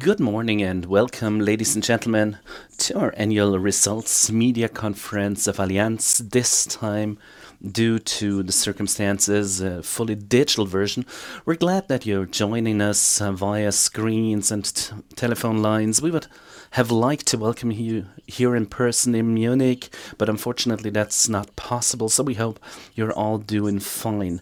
Good morning and welcome, ladies and gentlemen, to our annual results media conference of Allianz. This time, due to the circumstances, a fully digital version. We're glad that you're joining us via screens and telephone lines. We would have liked to welcome you here in person in Munich. Unfortunately, that's not possible. We hope you're all doing fine.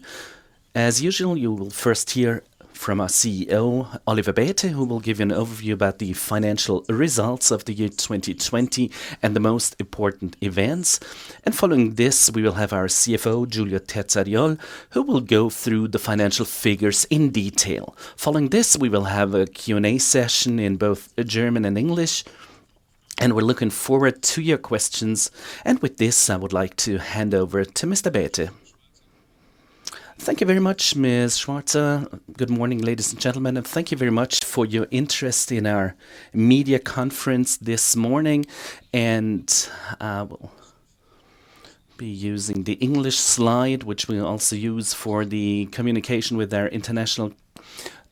As usual, you will first hear from our CEO, Oliver Bäte, who will give you an overview about the financial results of the year 2020 and the most important events. Following this, we will have our CFO, Giulio Terzariol, who will go through the financial figures in detail. Following this, we will have a Q&A session in both German and English. We're looking forward to your questions. With this, I would like to hand over to Mr. Bäte. Thank you very much, Ms. Schwarzer. Good morning, ladies and gentlemen, and thank you very much for your interest in our media conference this morning. I will be using the English slide, which we also use for the communication with our international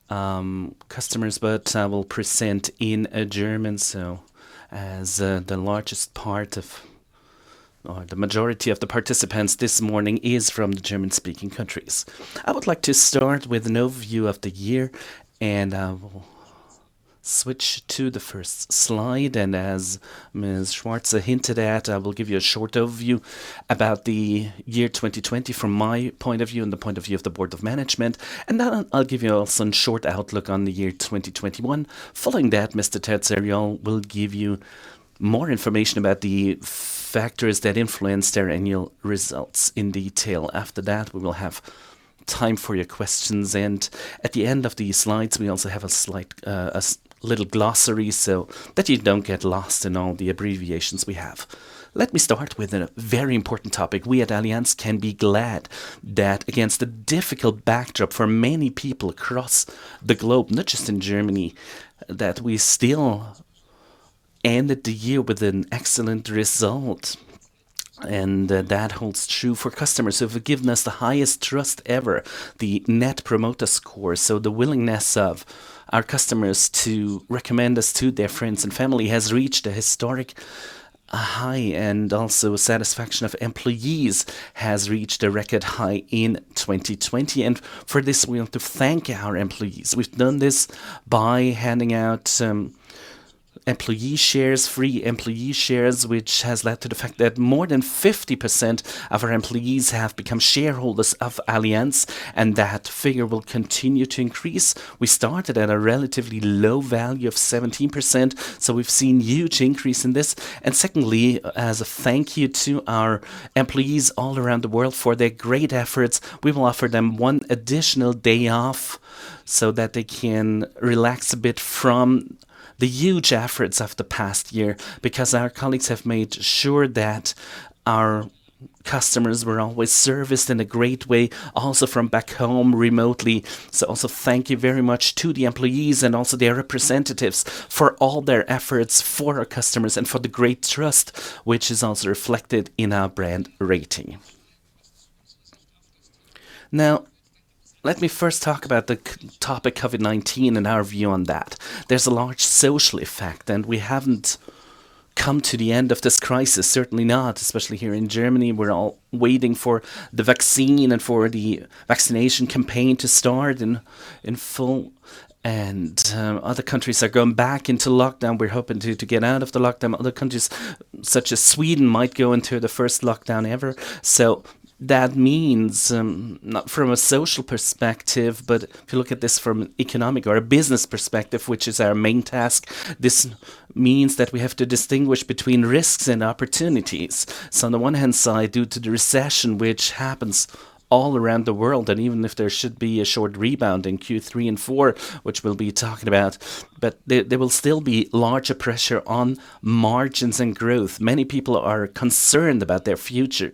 customers. I will present in German, as the majority of the participants this morning is from the German-speaking countries. I would like to start with an overview of the year and switch to the first slide. As Ms. Schwarzer hinted at, I will give you a short overview about the year 2020 from my point of view and the point of view of the board of management. Then I'll give you all some short outlook on the year 2021. Following that, Mr. Terzariol will give you more information about the factors that influenced our annual results in detail. After that, we will have time for your questions, and at the end of these slides, we also have a little glossary so that you don't get lost in all the abbreviations we have. Let me start with a very important topic. We at Allianz can be glad that against a difficult backdrop for many people across the globe, not just in Germany, that we still ended the year with an excellent result. That holds true for customers who have given us the highest trust ever. The Net Promoter Score, so the willingness of our customers to recommend us to their friends and family, has reached a historic high, and also satisfaction of employees has reached a record high in 2020. For this, we want to thank our employees. We've done this by handing out free employee shares, which has led to the fact that more than 50% of our employees have become shareholders of Allianz, and that figure will continue to increase. We started at a relatively low value of 17%, so we've seen huge increase in this. Secondly, as a thank you to our employees all around the world for their great efforts, we will offer them one additional day off so that they can relax a bit from the huge efforts of the past year. Our colleagues have made sure that our customers were always serviced in a great way, also from back home remotely. Also thank you very much to the employees and also their representatives for all their efforts for our customers and for the great trust, which is also reflected in our brand rating. Now, let me first talk about the topic COVID-19 and our view on that. There's a large social effect, and we haven't come to the end of this crisis, certainly not, especially here in Germany. We're all waiting for the vaccine and for the vaccination campaign to start in full. Other countries are going back into lockdown. We're hoping to get out of the lockdown. Other countries, such as Sweden, might go into the first lockdown ever. That means not from a social perspective, but if you look at this from an economic or a business perspective, which is our main task, this means that we have to distinguish between risks and opportunities. On the one hand side, due to the recession, which happens all around the world, and even if there should be a short rebound in Q3 and 4, which we'll be talking about, but there will still be larger pressure on margins and growth. Many people are concerned about their future.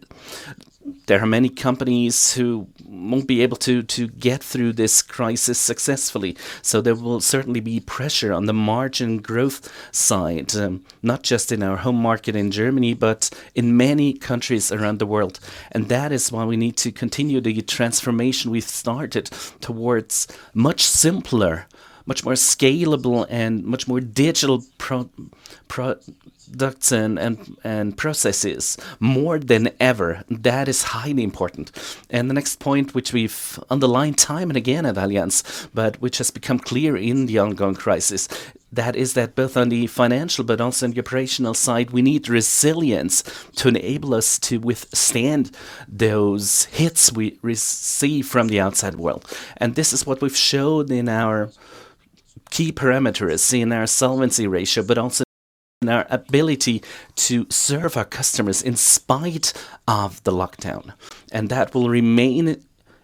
There are many companies who won't be able to get through this crisis successfully. There will certainly be pressure on the margin growth side, not just in our home market in Germany, but in many countries around the world. That is why we need to continue the transformation we've started towards much simpler, much more scalable, and much more digital products and processes more than ever. That is highly important. The next point, which we've underlined time and again at Allianz, but which has become clear in the ongoing crisis, that is that both on the financial but also on the operational side, we need resilience to enable us to withstand those hits we receive from the outside world. This is what we've showed in our key parameters, in our solvency ratio, but also in our ability to serve our customers in spite of the lockdown. That will remain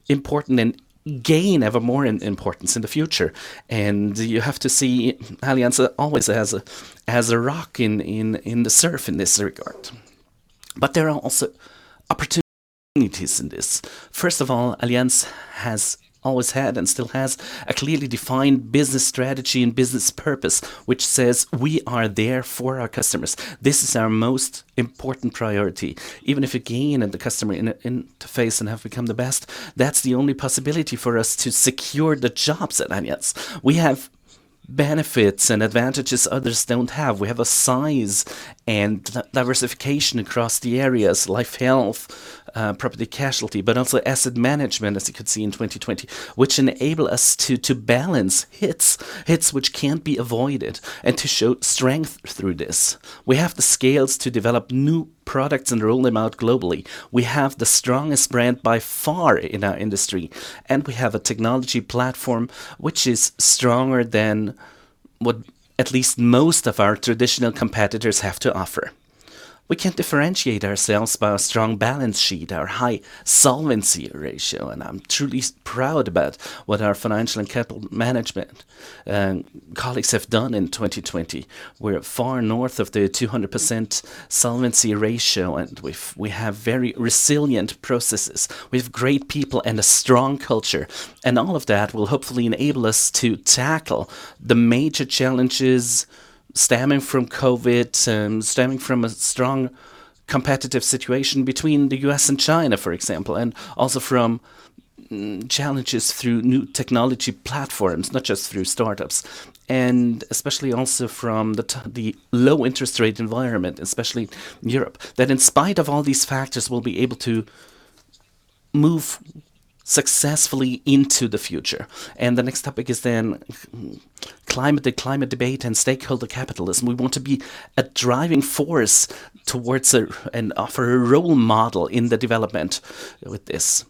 important and gain ever more importance in the future. You have to see Allianz always as a rock in the surf in this regard. There are also opportunities in this. First of all, Allianz has always had and still has a clearly defined business strategy and business purpose, which says we are there for our customers. This is our most important priority. Even if we gain at the customer interface and have become the best, that's the only possibility for us to secure the jobs at Allianz. We have benefits and advantages others don't have. We have a size and diversification across the areas, life, health, property casualty, but also asset management, as you could see in 2020, which enable us to balance hits which can't be avoided and to show strength through this. We have the scales to develop new products and roll them out globally. We have the strongest brand by far in our industry, and we have a technology platform which is stronger than what at least most of our traditional competitors have to offer. We can differentiate ourselves by our strong balance sheet, our high solvency ratio, and I'm truly proud about what our financial and capital management colleagues have done in 2020. We're far north of the 200% solvency ratio, and we have very resilient processes. We have great people and a strong culture, and all of that will hopefully enable us to tackle the major challenges stemming from COVID, stemming from a strong competitive situation between the U.S. and China, for example, and also from challenges through new technology platforms, not just through startups, and especially also from the low interest rate environment, especially Europe. That in spite of all these factors, we'll be able to move successfully into the future. The next topic is then the climate debate and stakeholder capitalism. We want to be a driving force towards and offer a role model in the development with this.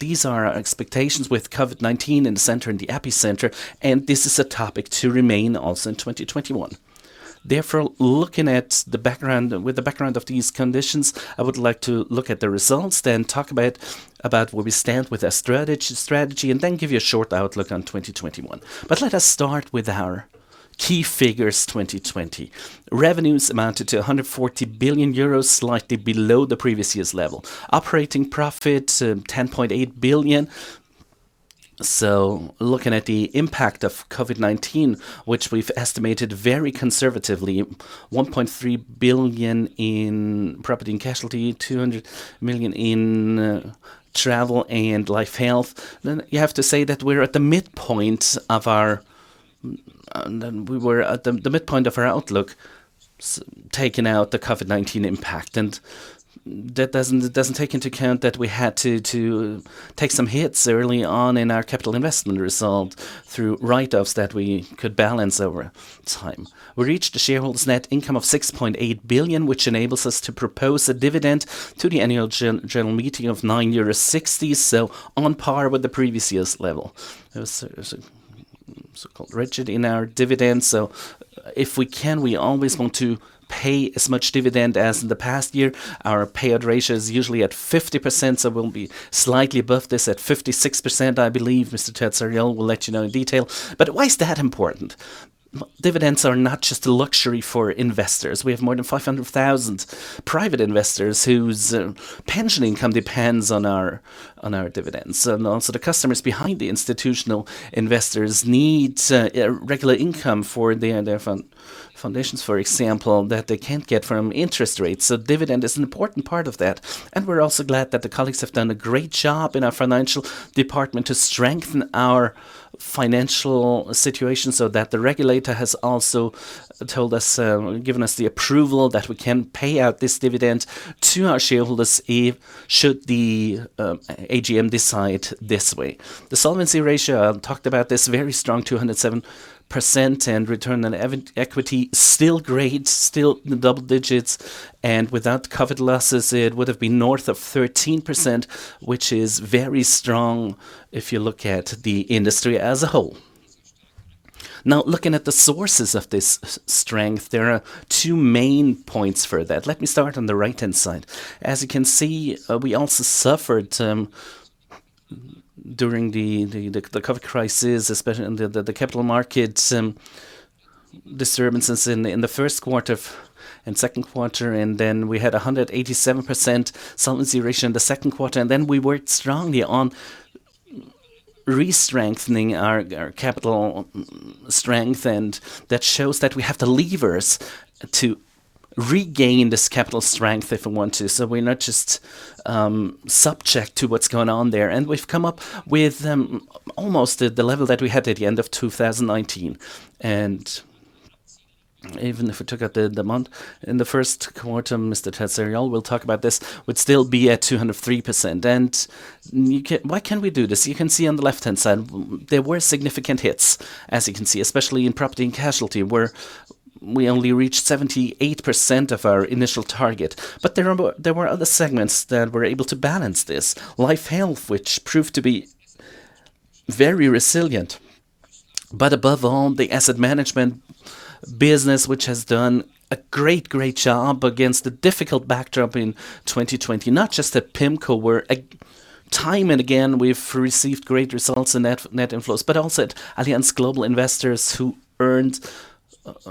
These are our expectations with COVID-19 in the center, in the epicenter, and this is a topic to remain also in 2021. Looking with the background of these conditions, I would like to look at the results then talk about where we stand with our strategy and then give you a short outlook on 2021. Let us start with our key figures 2020. Revenues amounted to 140 billion euros, slightly below the previous year's level. Operating profit, 10.8 billion. Looking at the impact of COVID-19, which we've estimated very conservatively, 1.3 billion in property and casualty, 200 million in travel and life health. You have to say that we were at the midpoint of our outlook, taking out the COVID-19 impact, and that doesn't take into account that we had to take some hits early on in our capital investment result through write-offs that we could balance over time. We reached a shareholders net income of 6.8 billion, which enables us to propose a dividend to the annual general meeting of 9.60 euros, so on par with the previous year's level. So-called rigid in our dividend. If we can, we always want to pay as much dividend as in the past year. Our payout ratio is usually at 50%, so we'll be slightly above this at 56%, I believe. Mr. Terzariol will let you know in detail. Why is that important? Dividends are not just a luxury for investors. We have more than 500,000 private investors whose pension income depends on our dividends. Also the customers behind the institutional investors need regular income for their foundations, for example, that they can't get from interest rates. Dividend is an important part of that, we're also glad that the colleagues have done a great job in our financial department to strengthen our financial situation so that the regulator has also given us the approval that we can pay out this dividend to our shareholders should the AGM decide this way. The solvency ratio, I've talked about this, very strong 207%, return on equity, still great, still double digits, without COVID losses, it would have been north of 13%, which is very strong if you look at the industry as a whole. Looking at the sources of this strength, there are two main points for that. Let me start on the right-hand side. As you can see, we also suffered during the COVID crisis, especially in the capital markets disturbances in the first quarter and second quarter. We had 187% solvency ratio in the second quarter. We worked strongly on re-strengthening our capital strength. That shows that we have the levers to regain this capital strength if we want to. We're not just subject to what's going on there. We've come up with almost the level that we had at the end of 2019. Even if we took out the month in the first quarter, Mr. Terzariol will talk about this, we'd still be at 203%. Why can we do this? You can see on the left-hand side, there were significant hits, as you can see, especially in property and casualty, where we only reached 78% of our initial target. There were other segments that were able to balance this. Life, health, which proved to be very resilient. Above all, the asset management business, which has done a great job against a difficult backdrop in 2020, not just at PIMCO, where time and again, we've received great results in net inflows, but also at Allianz Global Investors who earned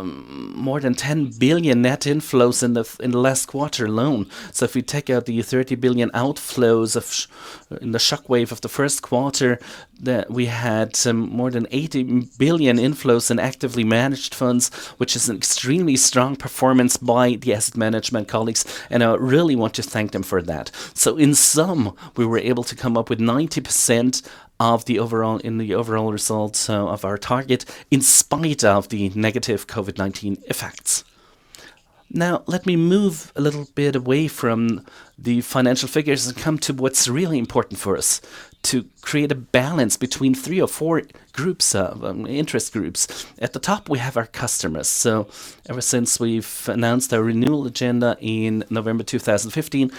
more than 10 billion net inflows in the last quarter alone. If you take out the 30 billion outflows in the shockwave of the first quarter, we had some more than 80 billion inflows in actively managed funds, which is an extremely strong performance by the asset management colleagues, and I really want to thank them for that. In sum, we were able to come up with 90% of the overall results of our target in spite of the negative COVID-19 effects. Now, let me move a little bit away from the financial figures and come to what's really important for us, to create a balance between three or four interest groups. At the top, we have our customers. Ever since we've announced our renewal agenda in November 2015,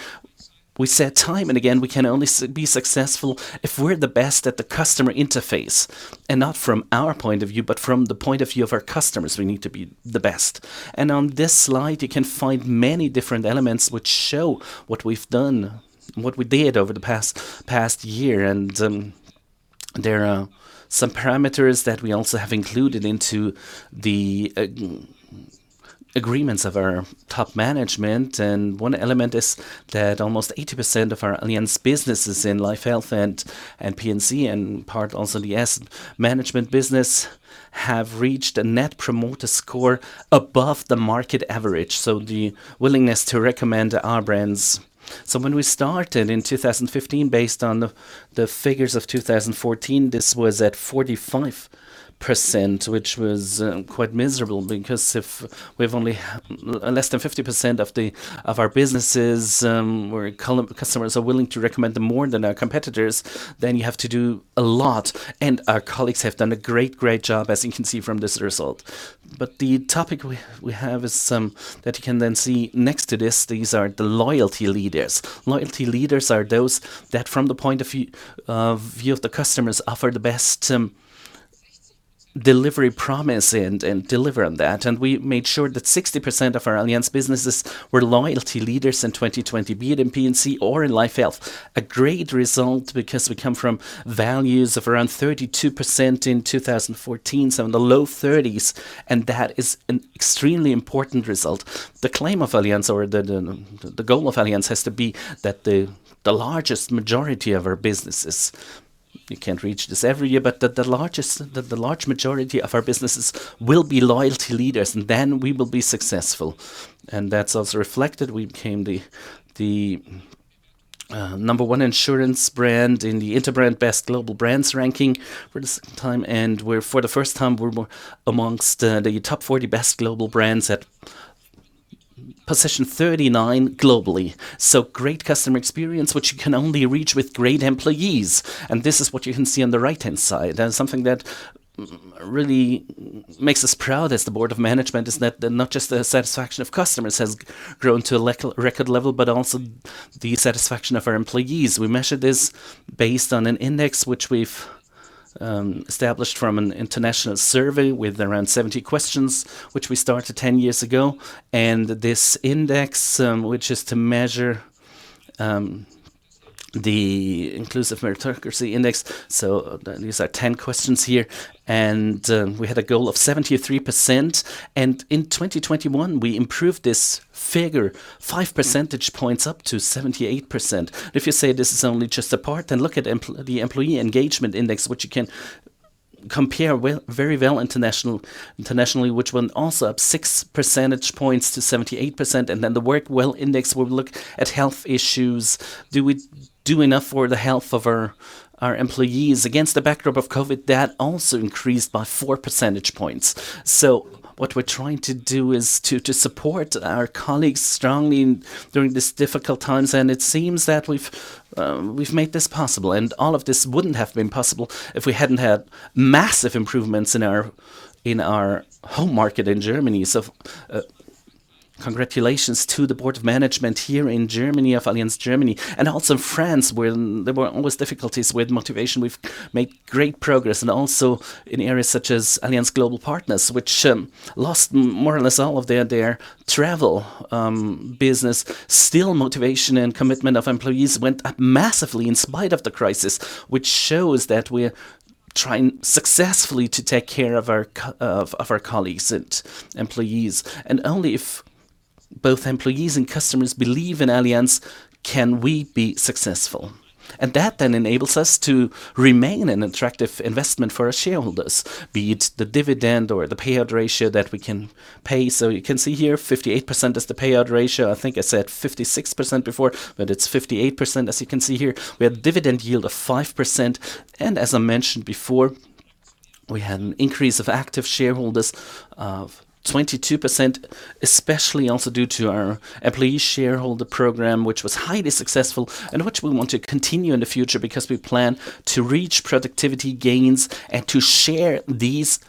we said time and again, we can only be successful if we're the best at the customer interface, and not from our point of view, but from the point of view of our customers, we need to be the best. On this slide, you can find many different elements which show what we did over the past year. There are some parameters that we also have included into the agreements of our top management, and one element is that almost 80% of our Allianz businesses in Life/Health and P&C and part also the asset management business have reached a Net Promoter Score above the market average. The willingness to recommend our brands. When we started in 2015, based on the figures of 2014, this was at 45%, which was quite miserable because if we have only less than 50% of our businesses where customers are willing to recommend them more than our competitors, then you have to do a lot. Our colleagues have done a great job as you can see from this result. The topic we have is that you can then see next to this, these are the loyalty leaders. Loyalty leaders are those that from the point of view of the customers offer the best delivery promise and deliver on that. We made sure that 60% of our Allianz businesses were loyalty leaders in 2020, be it in P&C or in Life/Health. A great result because we come from values of around 32% in 2014, so in the low 30s, and that is an extremely important result. The claim of Allianz or the goal of Allianz has to be that the largest majority of our businesses, we can't reach this every year, but that the large majority of our businesses will be loyalty leaders, and then we will be successful. That's also reflected. We became the number one insurance brand in the Interbrand Best Global Brands ranking for the second time, and for the first time, we're amongst the top 40 best global brands at position 39 globally. Great customer experience, which you can only reach with great employees. This is what you can see on the right-hand side. Something that really makes us proud as the board of management is that not just the satisfaction of customers has grown to a record level, but also the satisfaction of our employees. We measure this based on an index which we've established from an international survey with around 70 questions, which we started 10 years ago. This index, which is to measure the Inclusive Meritocracy Index. These are 10 questions here, and we had a goal of 73%. In 2021, we improved this figure five percentage points up to 78%. If you say this is only just a part, then look at the Employee Engagement Index, which you can compare very well internationally, which went also up six percentage points to 78%. The WorkWell Index, where we look at health issues. Do we do enough for the health of our employees against the backdrop of COVID? That also increased by four percentage points. What we're trying to do is to support our colleagues strongly during these difficult times, and it seems that we've made this possible. All of this wouldn't have been possible if we hadn't had massive improvements in our home market in Germany. Congratulations to the board of management here in Germany of Allianz Deutschland AG. Also in France, where there were always difficulties with motivation. We've made great progress and also in areas such as Allianz Partners, which lost more or less all of their travel business. Still, motivation and commitment of employees went up massively in spite of the crisis, which shows that we're trying successfully to take care of our colleagues and employees. Only if both employees and customers believe in Allianz can we be successful. That then enables us to remain an attractive investment for our shareholders, be it the dividend or the payout ratio that we can pay. You can see here, 58% is the payout ratio. I think I said 56% before, but it's 58%, as you can see here. We have dividend yield of 5%. As I mentioned before, we had an increase of active shareholders of 22%, especially also due to our employee shareholder program, which was highly successful and which we want to continue in the future because we plan to reach productivity gains and to share these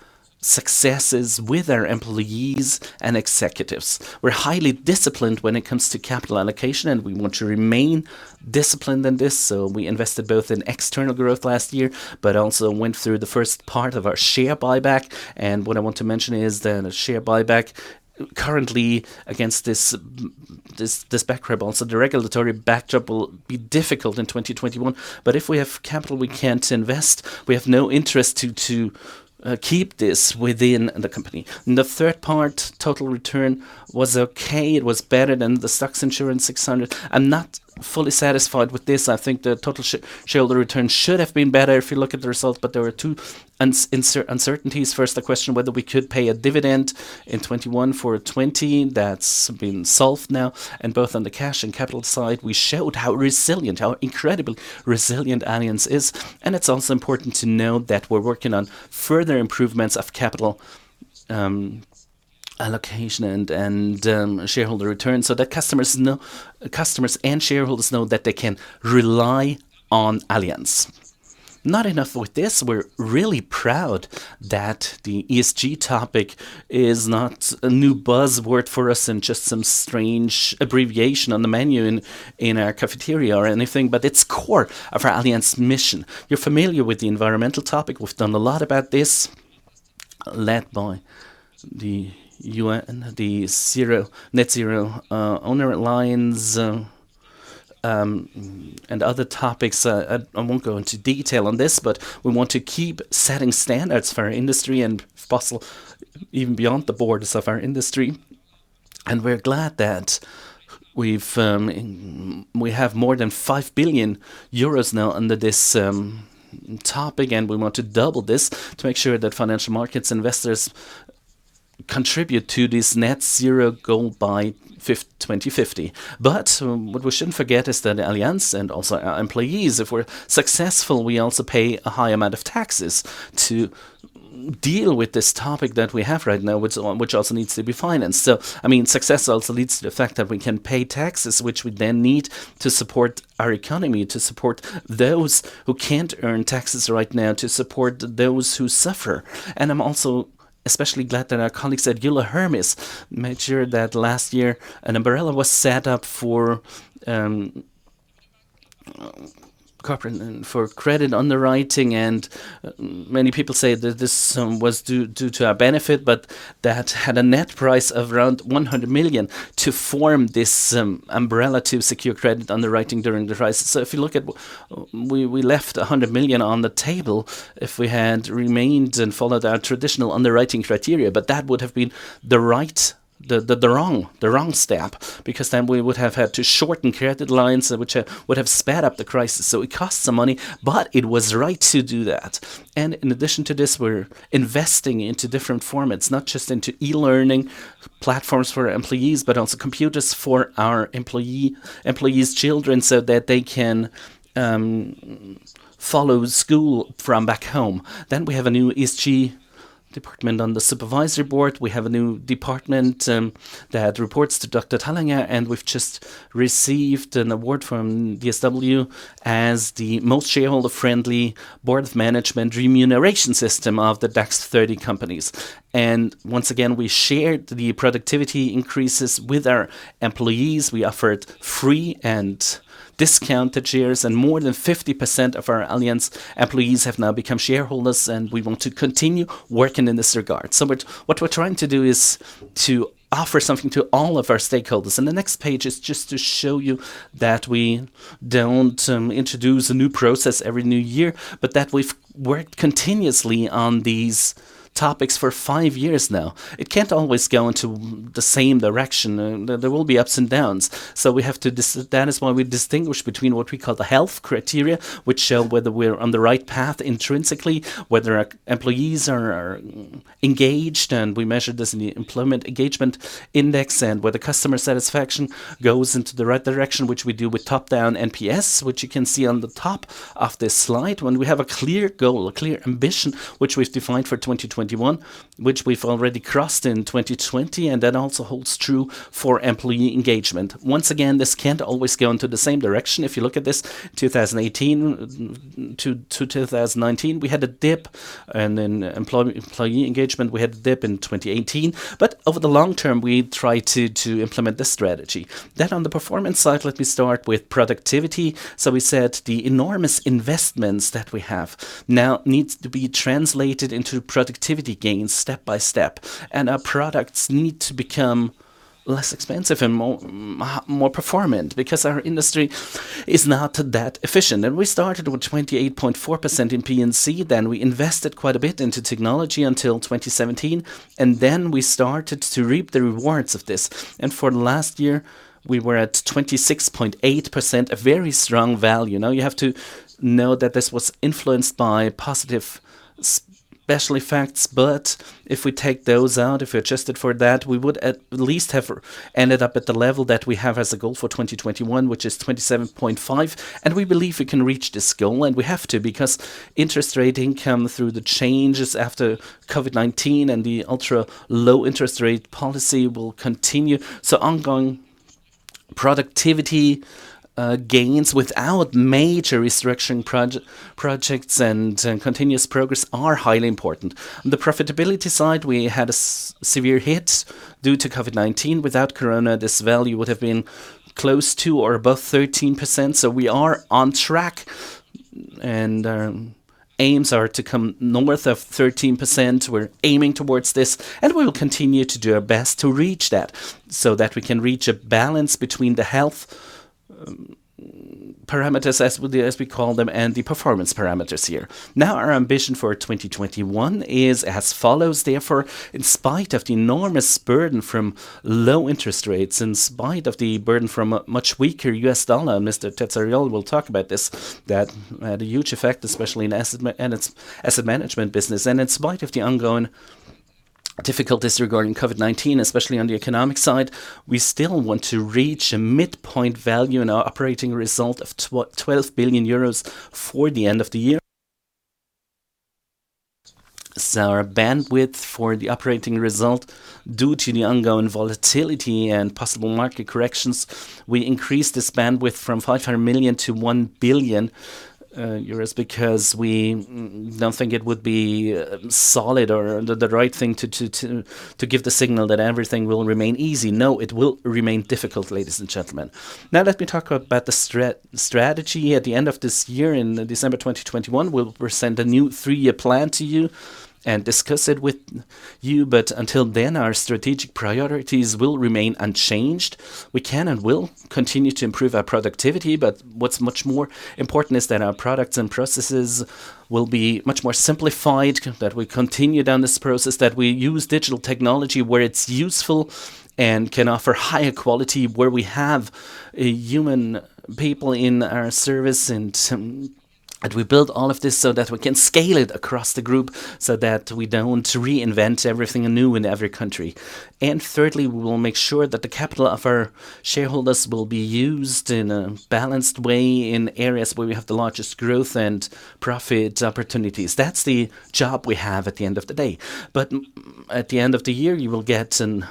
successes with our employees and executives. We're highly disciplined when it comes to capital allocation, and we want to remain disciplined in this. We invested both in external growth last year, but also went through the first part of our share buyback. What I want to mention is that a share buyback currently against this backdrop also, the regulatory backdrop will be difficult in 2021. If we have capital we can't invest, we have no interest to keep this within the company. The third part, total return was okay. It was better than the STOXX Europe 600. I'm not fully satisfied with this. I think the total shareholder return should have been better if you look at the results. There were two uncertainties. First, the question whether we could pay a dividend in 2021 for 2020, that's been solved now. Both on the cash and capital side, we showed how incredibly resilient Allianz is. It's also important to know that we're working on further improvements of capital allocation and shareholder return so that customers and shareholders know that they can rely on Allianz. Not enough with this, we're really proud that the ESG topic is not a new buzzword for us and just some strange abbreviation on the menu in our cafeteria or anything, but it's core of our Allianz mission. You're familiar with the environmental topic. We've done a lot about this, led by the Net-Zero Asset Owner Alliance and other topics. I won't go into detail on this. We want to keep setting standards for our industry and even beyond the borders of our industry. We're glad that we have more than 5 billion euros now under this topic, and we want to double this to make sure that financial markets investors contribute to this net-zero goal by 2050. What we shouldn't forget is that Allianz and also our employees, if we're successful, we also pay a high amount of taxes to deal with this topic that we have right now, which also needs to be financed. Success also leads to the fact that we can pay taxes, which we then need to support our economy, to support those who can't earn taxes right now, to support those who suffer. I'm also especially glad that our colleagues at Euler Hermes made sure that last year an umbrella was set up for credit underwriting, and many people say that this was due to our benefit, but that had a net price of around 100 million to form this umbrella to secure credit underwriting during the crisis. If you look at, we left 100 million on the table if we had remained and followed our traditional underwriting criteria. That would have been the wrong step, because then we would have had to shorten credit lines, which would have sped up the crisis. It cost some money, but it was right to do that. In addition to this, we're investing into different formats, not just into e-learning platforms for our employees, but also computers for our employees' children so that they can follow school from back home. We have a new ESG department on the supervisory board. We have a new department that reports to Dr. Thallinger, and we've just received an award from DSW as the most shareholder-friendly board of management remuneration system of the DAX 30 companies. Once again, we shared the productivity increases with our employees. We offered free and discounted shares, and more than 50% of our Allianz employees have now become shareholders, and we want to continue working in this regard. What we're trying to do is to offer something to all of our stakeholders. The next page is just to show you that we don't introduce a new process every new year, but that we've worked continuously on these topics for five years now. It can't always go into the same direction. There will be ups and downs. That is why we distinguish between what we call the health criteria, which show whether we're on the right path intrinsically, whether our employees are engaged, and we measure this in the Employee Engagement Index, and whether customer satisfaction goes into the right direction, which we do with top-down NPS, which you can see on the top of this slide. When we have a clear goal, a clear ambition, which we've defined for 2021, which we've already crossed in 2020, and that also holds true for employee engagement. Once again, this can't always go into the same direction. If you look at this, 2018 to 2019, we had a dip, and then employee engagement, we had a dip in 2018. Over the long term, we try to implement this strategy. On the performance side, let me start with productivity. We said the enormous investments that we have now needs to be translated into productivity gains step by step, and our products need to become less expensive and more performant because our industry is not that efficient. We started with 28.4% in P&C, then we invested quite a bit into technology until 2017, and then we started to reap the rewards of this. For last year, we were at 26.8%, a very strong value. You have to know that this was influenced by positive special effects, but if we take those out, if we adjust it for that, we would at least have ended up at the level that we have as a goal for 2021, which is 27.5. We believe we can reach this goal, and we have to because interest rate income through the changes after COVID-19 and the ultra-low interest rate policy will continue. Ongoing productivity gains without major restructuring projects and continuous progress are highly important. On the profitability side, we had a severe hit due to COVID-19. Without Corona, this value would have been close to or above 13%. We are on track. Our aims are to come north of 13%. We're aiming towards this, and we will continue to do our best to reach that, so that we can reach a balance between the health parameters, as we call them, and the performance parameters here. Our ambition for 2021 is as follows. In spite of the enormous burden from low interest rates, in spite of the burden from a much weaker U.S. dollar. dollar, Mr. Terzariol will talk about this, that had a huge effect, especially in asset management business. In spite of the ongoing difficulties regarding COVID-19, especially on the economic side, we still want to reach a midpoint value in our operating result of 12 billion euros for the end of the year. Our bandwidth for the operating result, due to the ongoing volatility and possible market corrections, we increased this bandwidth from 500 million-1 billion euros because we don't think it would be solid or the right thing to give the signal that everything will remain easy. No, it will remain difficult, ladies and gentlemen. Let me talk about the strategy. At the end of this year, in December 2021, we'll present a new three-year plan to you and discuss it with you, but until then, our strategic priorities will remain unchanged. We can and will continue to improve our productivity, but what's much more important is that our products and processes will be much more simplified, that we continue down this process, that we use digital technology where it's useful and can offer higher quality where we have human people in our service. We build all of this so that we can scale it across the group so that we don't want to reinvent everything anew in every country. Thirdly, we will make sure that the capital of our shareholders will be used in a balanced way in areas where we have the largest growth and profit opportunities. That's the job we have at the end of the day. At the end of the year, you will get an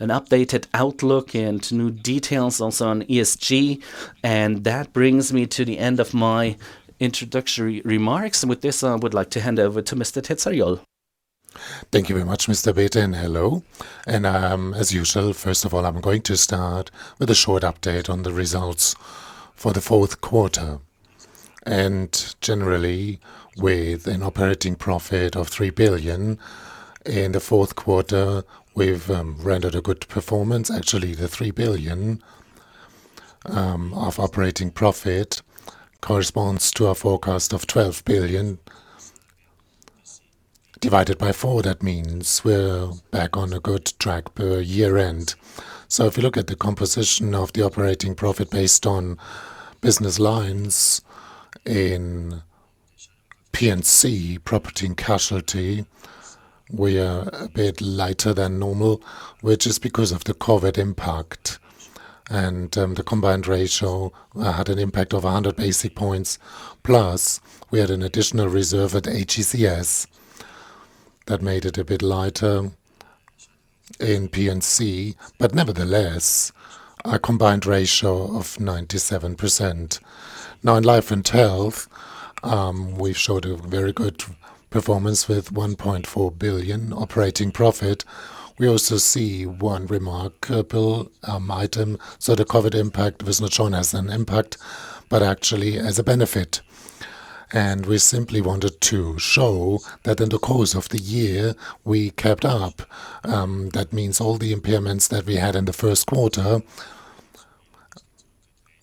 updated outlook and new details also on ESG, and that brings me to the end of my introductory remarks. With this, I would like to hand over to Mr. Terzariol. Thank you very much, Mr. Bäte. Hello. As usual, first of all, I'm going to start with a short update on the results for the fourth quarter. Generally, with an operating profit of 3 billion in the fourth quarter, we've rendered a good performance. Actually, the 3 billion of operating profit corresponds to our forecast of 12 billion divided by four. That means we're back on a good track per year-end. If you look at the composition of the operating profit based on business lines in P&C, property and casualty, we are a bit lighter than normal, which is because of the COVID impact. The combined ratio had an impact of 100 basis points. Plus, we had an additional reserve at AGCS that made it a bit lighter in P&C, but nevertheless, a combined ratio of 97%. In Life and Health, we showed a very good performance with 1.4 billion operating profit. We also see one remarkable item. The COVID impact was not shown as an impact, but actually as a benefit. We simply wanted to show that in the course of the year, we kept up. That means all the impairments that we had in the first quarter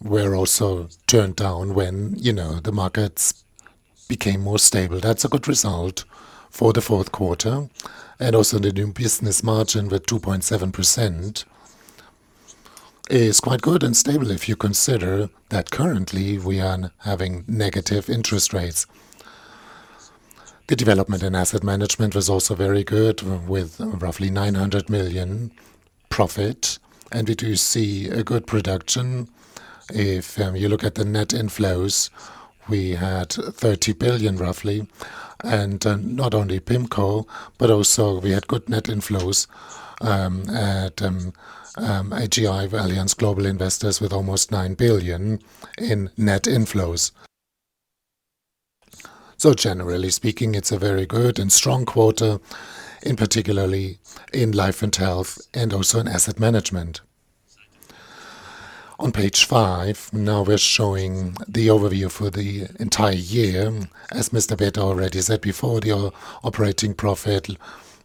were also turned down when the markets became more stable. That's a good result for the fourth quarter. Also the new business margin with 2.7% is quite good and stable if you consider that currently we are having negative interest rates. The development in asset management was also very good with roughly 900 million profit, and we do see a good production. If you look at the net inflows, we had 30 billion roughly, and not only PIMCO, but also we had good net inflows at AGI, Allianz Global Investors, with almost 9 billion in net inflows. Generally speaking, it's a very good and strong quarter, and particularly in Life and Health and also in asset management. On page five, now we're showing the overview for the entire year. As Mr. Bäte already said before, the operating profit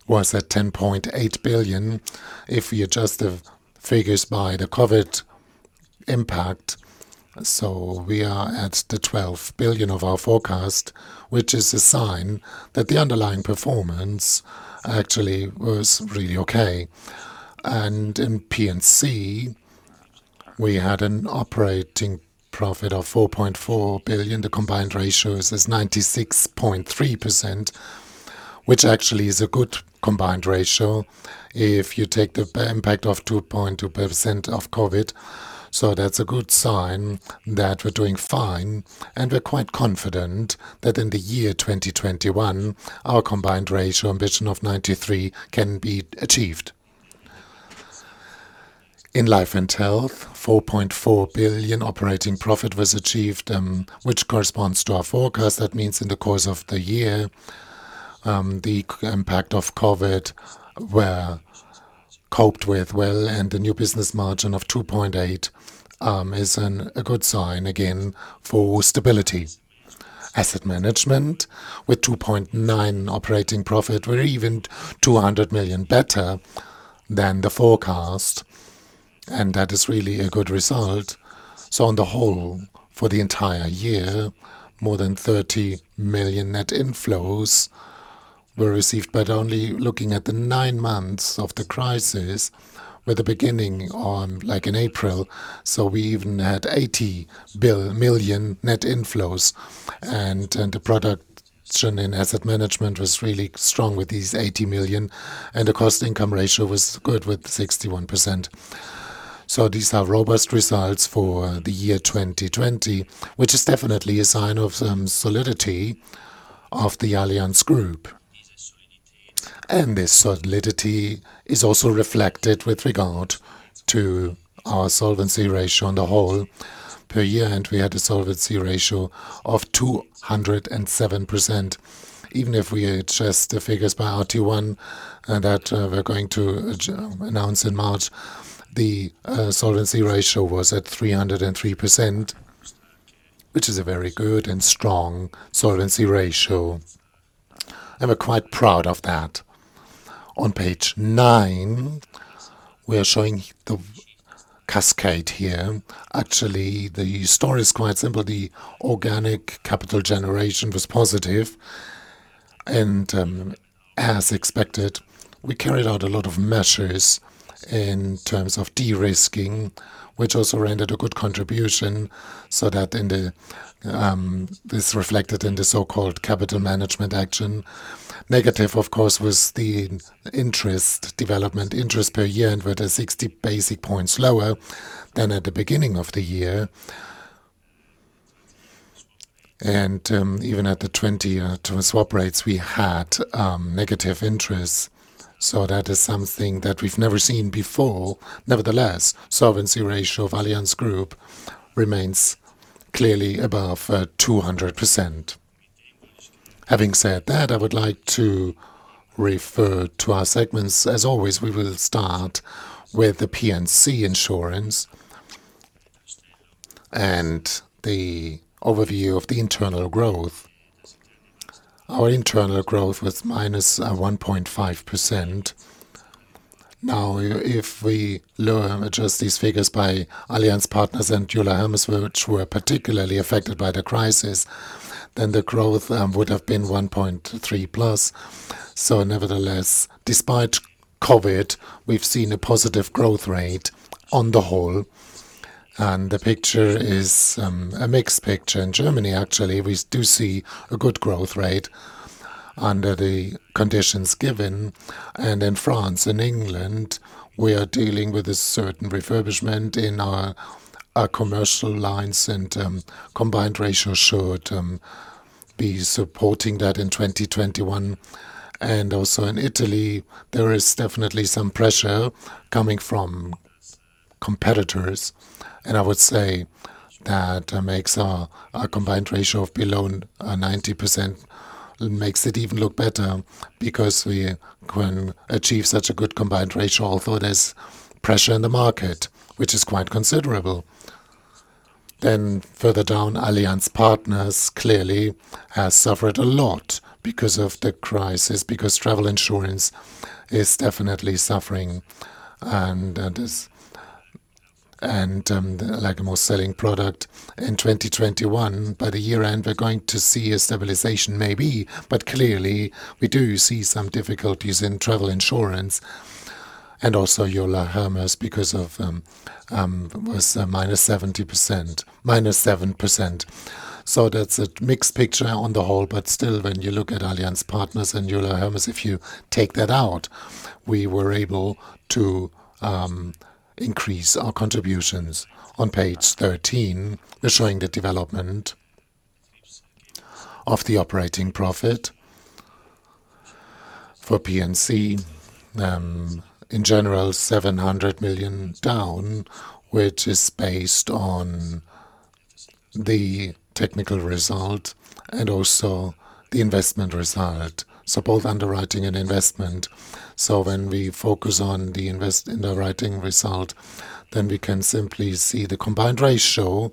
was at 10.8 billion. If you adjust the figures by the COVID impact, we are at the 12 billion of our forecast, which is a sign that the underlying performance actually was really okay. In P&C, we had an operating profit of 4.4 billion. The combined ratio is 96.3%, which actually is a good combined ratio if you take the impact of 2.2% of COVID. That's a good sign that we're doing fine, and we're quite confident that in the year 2021, our combined ratio ambition of 93 can be achieved. In Life and Health, 4.4 billion operating profit was achieved, which corresponds to our forecast. That means in the course of the year, the impact of COVID were coped with well, and the new business margin of 2.8% is a good sign, again, for stability. Asset Management with 2.9 operating profit, we're even 200 million better than the forecast, and that is really a good result. On the whole, for the entire year, more than 30 million net inflows were received, but only looking at the nine months of the crisis, with the beginning in April. We even had 80 million net inflows. The production in asset management was really strong with these 80 million, the cost-income ratio was good with 61%. These are robust results for the year 2020, which is definitely a sign of solidity of the Allianz Group. This solidity is also reflected with regard to our solvency ratio on the whole. Per year end, we had a solvency ratio of 207%. Even if we adjust the figures by IFRS 17 that we're going to announce in March, the solvency ratio was at 303%, which is a very good and strong solvency ratio, and we're quite proud of that. On page nine, we are showing the cascade here. Actually, the story is quite simple. The organic capital generation was positive. As expected, we carried out a lot of measures in terms of de-risking, which also rendered a good contribution. This reflected in the so-called capital management action. Negative, of course, was the interest development. Interest per year-end were 60 basis points lower than at the beginning of the year. Even at the 20-year swap rates, we had negative interest. That is something that we've never seen before. Nevertheless, solvency ratio of Allianz Group remains clearly above 200%. Having said that, I would like to refer to our segments. As always, we will start with the P&C insurance and the overview of the internal growth. Our internal growth was -1.5%. If we adjust these figures by Allianz Partners and Euler Hermes, which were particularly affected by the crisis, the growth would have been 1.3+. Nevertheless, despite COVID, we've seen a positive growth rate on the whole, and the picture is a mixed picture. In Germany, actually, we do see a good growth rate under the conditions given. In France and England, we are dealing with a certain refurbishment in our commercial lines, combined ratio should be supporting that in 2021. Also in Italy, there is definitely some pressure coming from competitors. I would say that makes our combined ratio of below 90%, makes it even look better because we can achieve such a good combined ratio, although there's pressure in the market, which is quite considerable. Further down, Allianz Partners clearly has suffered a lot because of the crisis, because travel insurance is definitely suffering and the most selling product. In 2021, by the year end, we're going to see a stabilization maybe, but clearly, we do see some difficulties in travel insurance and also Euler Hermes was a -7%. That's a mixed picture on the whole, but still, when you look at Allianz Partners and Euler Hermes, if you take that out, we were able to increase our contributions. On page 13, we're showing the development of the operating profit for P&C. In general, 700 million down, which is based on the technical result and also the investment result. Both underwriting and investment. When we focus on the underwriting result, then we can simply see the combined ratio.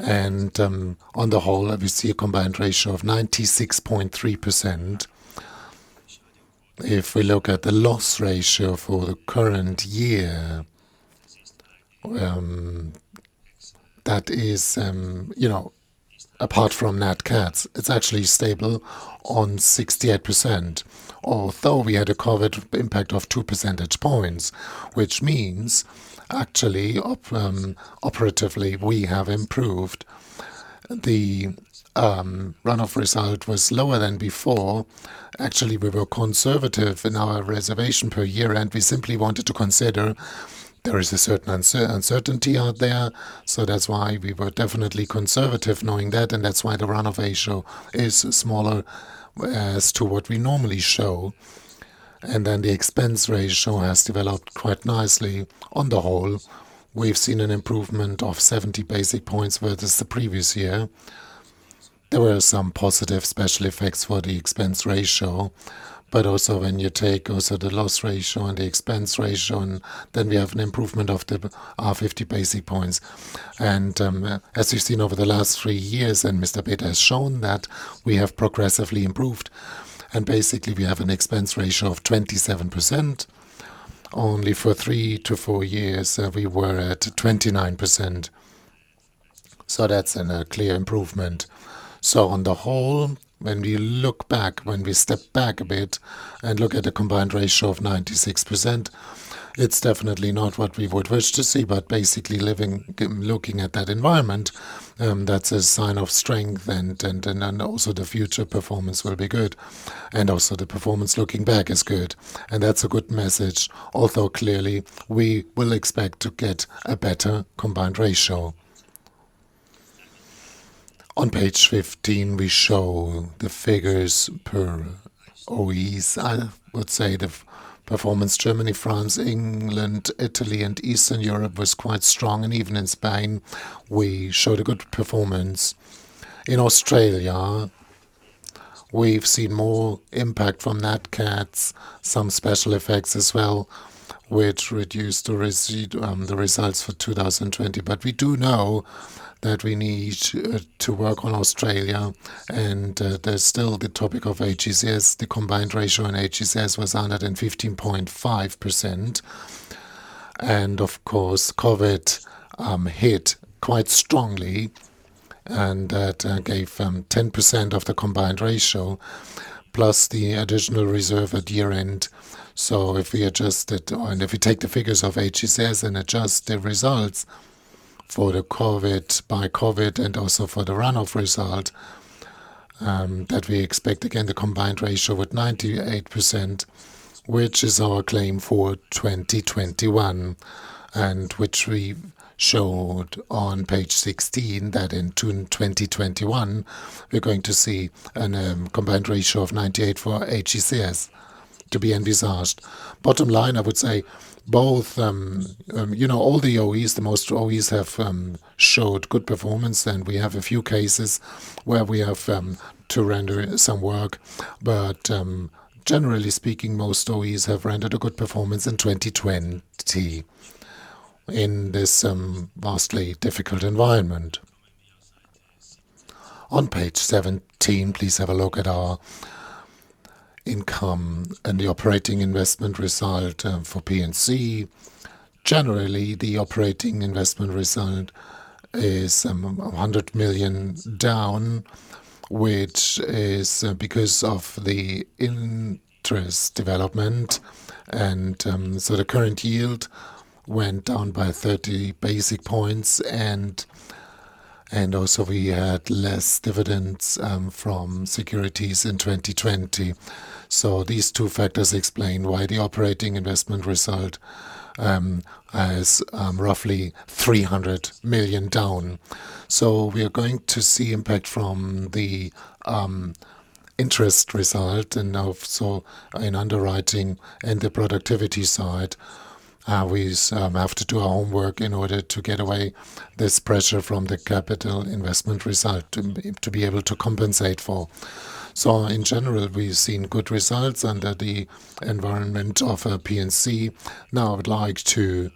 On the whole, we see a combined ratio of 96.3%. If we look at the loss ratio for the current year, apart from nat cats, it's actually stable on 68%, although we had a COVID impact of two percentage points, which means actually, operatively, we have improved. The runoff result was lower than before. Actually, we were conservative in our reservation per year, and we simply wanted to consider there is a certain uncertainty out there. That's why we were definitely conservative knowing that, and that's why the runoff ratio is smaller as to what we normally show. The expense ratio has developed quite nicely. On the whole, we've seen an improvement of 70 basis points versus the previous year. There were some positive special effects for the expense ratio, but also when you take the loss ratio and the expense ratio, then we have an improvement of the 50 basis points. As we've seen over the last three years, and Mr. Bäte has shown that we have progressively improved, and basically we have an expense ratio of 27%. Only for three to four years we were at 29%. That's a clear improvement. On the whole, when we look back, when we step back a bit and look at a combined ratio of 96%, it's definitely not what we would wish to see, basically looking at that environment, that's a sign of strength and also the future performance will be good. Also the performance looking back is good. That's a good message, although clearly we will expect to get a better combined ratio. On page 15, we show the figures per OEs. I would say the performance Germany, France, England, Italy and Eastern Europe was quite strong. Even in Spain, we showed a good performance. In Australia, we've seen more impact from Nat Cats, some special effects as well, which reduced the results for 2020. We do know that we need to work on Australia, and there's still the topic of AGCS. The combined ratio on AGCS was 115.5%. Of course, COVID hit quite strongly, that gave 10% of the combined ratio plus the additional reserve at year-end. If we take the figures of AGCS and adjust the results by COVID and also for the runoff result, that we expect again the combined ratio at 98%, which is our claim for 2021, and which we showed on page 16, that in 2021, we're going to see a combined ratio of 98% for AGCS to be envisaged. Bottom line, I would say all the OEs, the most OEs have showed good performance. We have a few cases where we have to render some work. Generally speaking, most OEs have rendered a good performance in 2020 in this vastly difficult environment. On page 17, please have a look at our income and the operating investment result for P&C. The operating investment result is 100 million down, which is because of the interest development. The current yield went down by 30 basis points, and also we had less dividends from securities in 2020. These two factors explain why the operating investment result is roughly 300 million down. We are going to see impact from the interest result and also in underwriting and the productivity side. We have to do our homework in order to get away this pressure from the capital investment result to be able to compensate for. In general, we've seen good results under the environment of P&C. I'd like to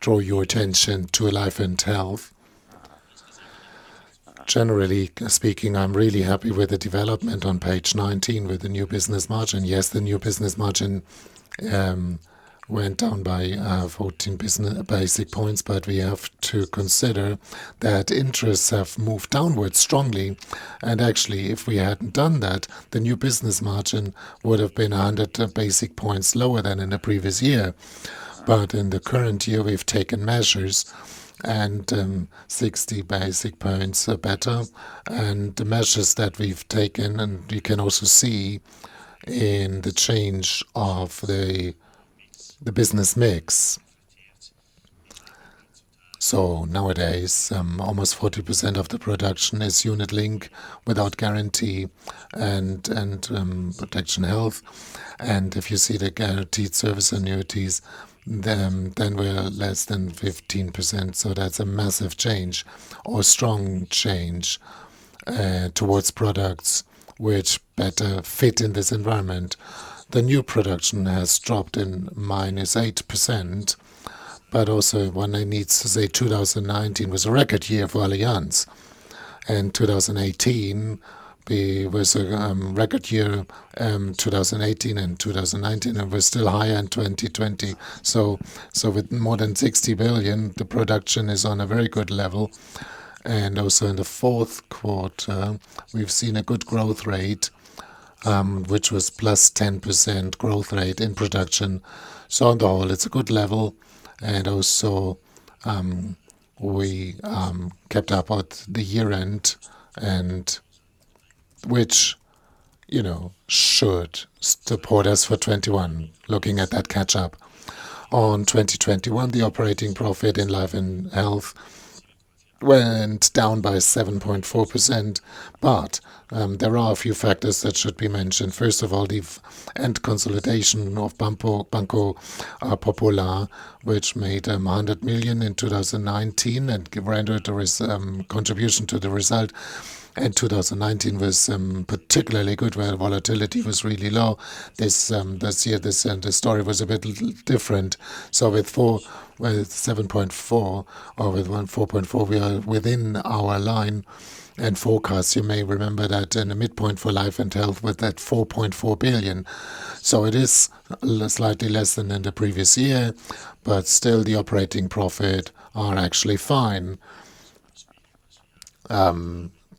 draw your attention to Life & Health. I'm really happy with the development on page 19 with the new business margin. Yes, the new business margin went down by 14 basis points. We have to consider that interests have moved downwards strongly. If we hadn't done that, the new business margin would have been 100 basis points lower than in the previous year. In the current year, we've taken measures and 60 basis points are better. The measures that we've taken, and you can also see in the change of the business mix. Nowadays, almost 40% of the production is unit-linked without guarantee and protection health. If you see the guaranteed service annuities, we are less than 15%. That's a massive change or strong change towards products which better fit in this environment. The new production has dropped in -8%. Also one needs to say 2019 was a record year for Allianz. 2018 was a record year, 2018 and 2019, we're still higher in 2020. With more than 60 billion, the production is on a very good level. Also in the fourth quarter, we've seen a good growth rate, which was +10% growth rate in production. On the whole, it's a good level. Also, we kept up at the year-end, and which should support us for 2021, looking at that catch-up. On 2021, the operating profit in Life & Health went down by 7.4%, but there are a few factors that should be mentioned. First of all, the end consolidation of Banco Popular, which made 100 million in 2019 and rendered its contribution to the result, and 2019 was particularly good, where volatility was really low. This year, the story was a bit different. With 7.4% over 4.4%, we are within our line and forecast. You may remember that in the midpoint for life and health with that 4.4 billion. It is slightly less than the previous year, but still the operating profit is actually fine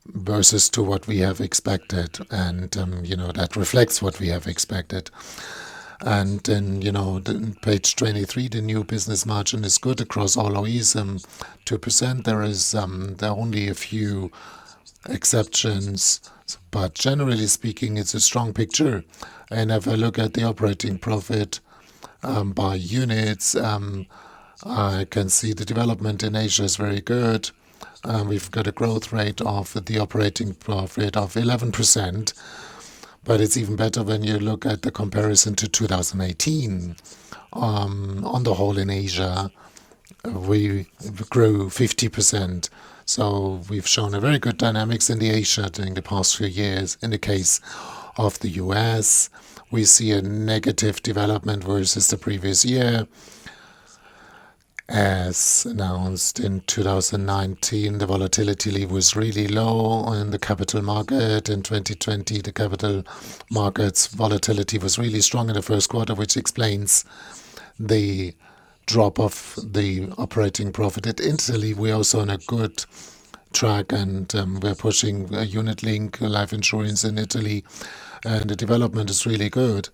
versus what we have expected, and that reflects what we have expected. Page 23, the new business margin is good across all OEs. 2%, there are only a few exceptions. Generally speaking, it's a strong picture. If I look at the operating profit by OEs, I can see the development in Asia is very good. We've got a growth rate of the operating profit of 11%, but it's even better when you look at the comparison to 2018. On the whole in Asia, we grew 50%, so we've shown a very good dynamics in Asia during the past few years. In the case of the U.S., we see a negative development versus the previous year. As announced in 2019, the volatility was really low in the capital market. In 2020, the capital markets volatility was really strong in the first quarter, which explains the drop of the operating profit. At Italy, we're also on a good track, we're pushing unit-linked life insurance in Italy, and the development is really good.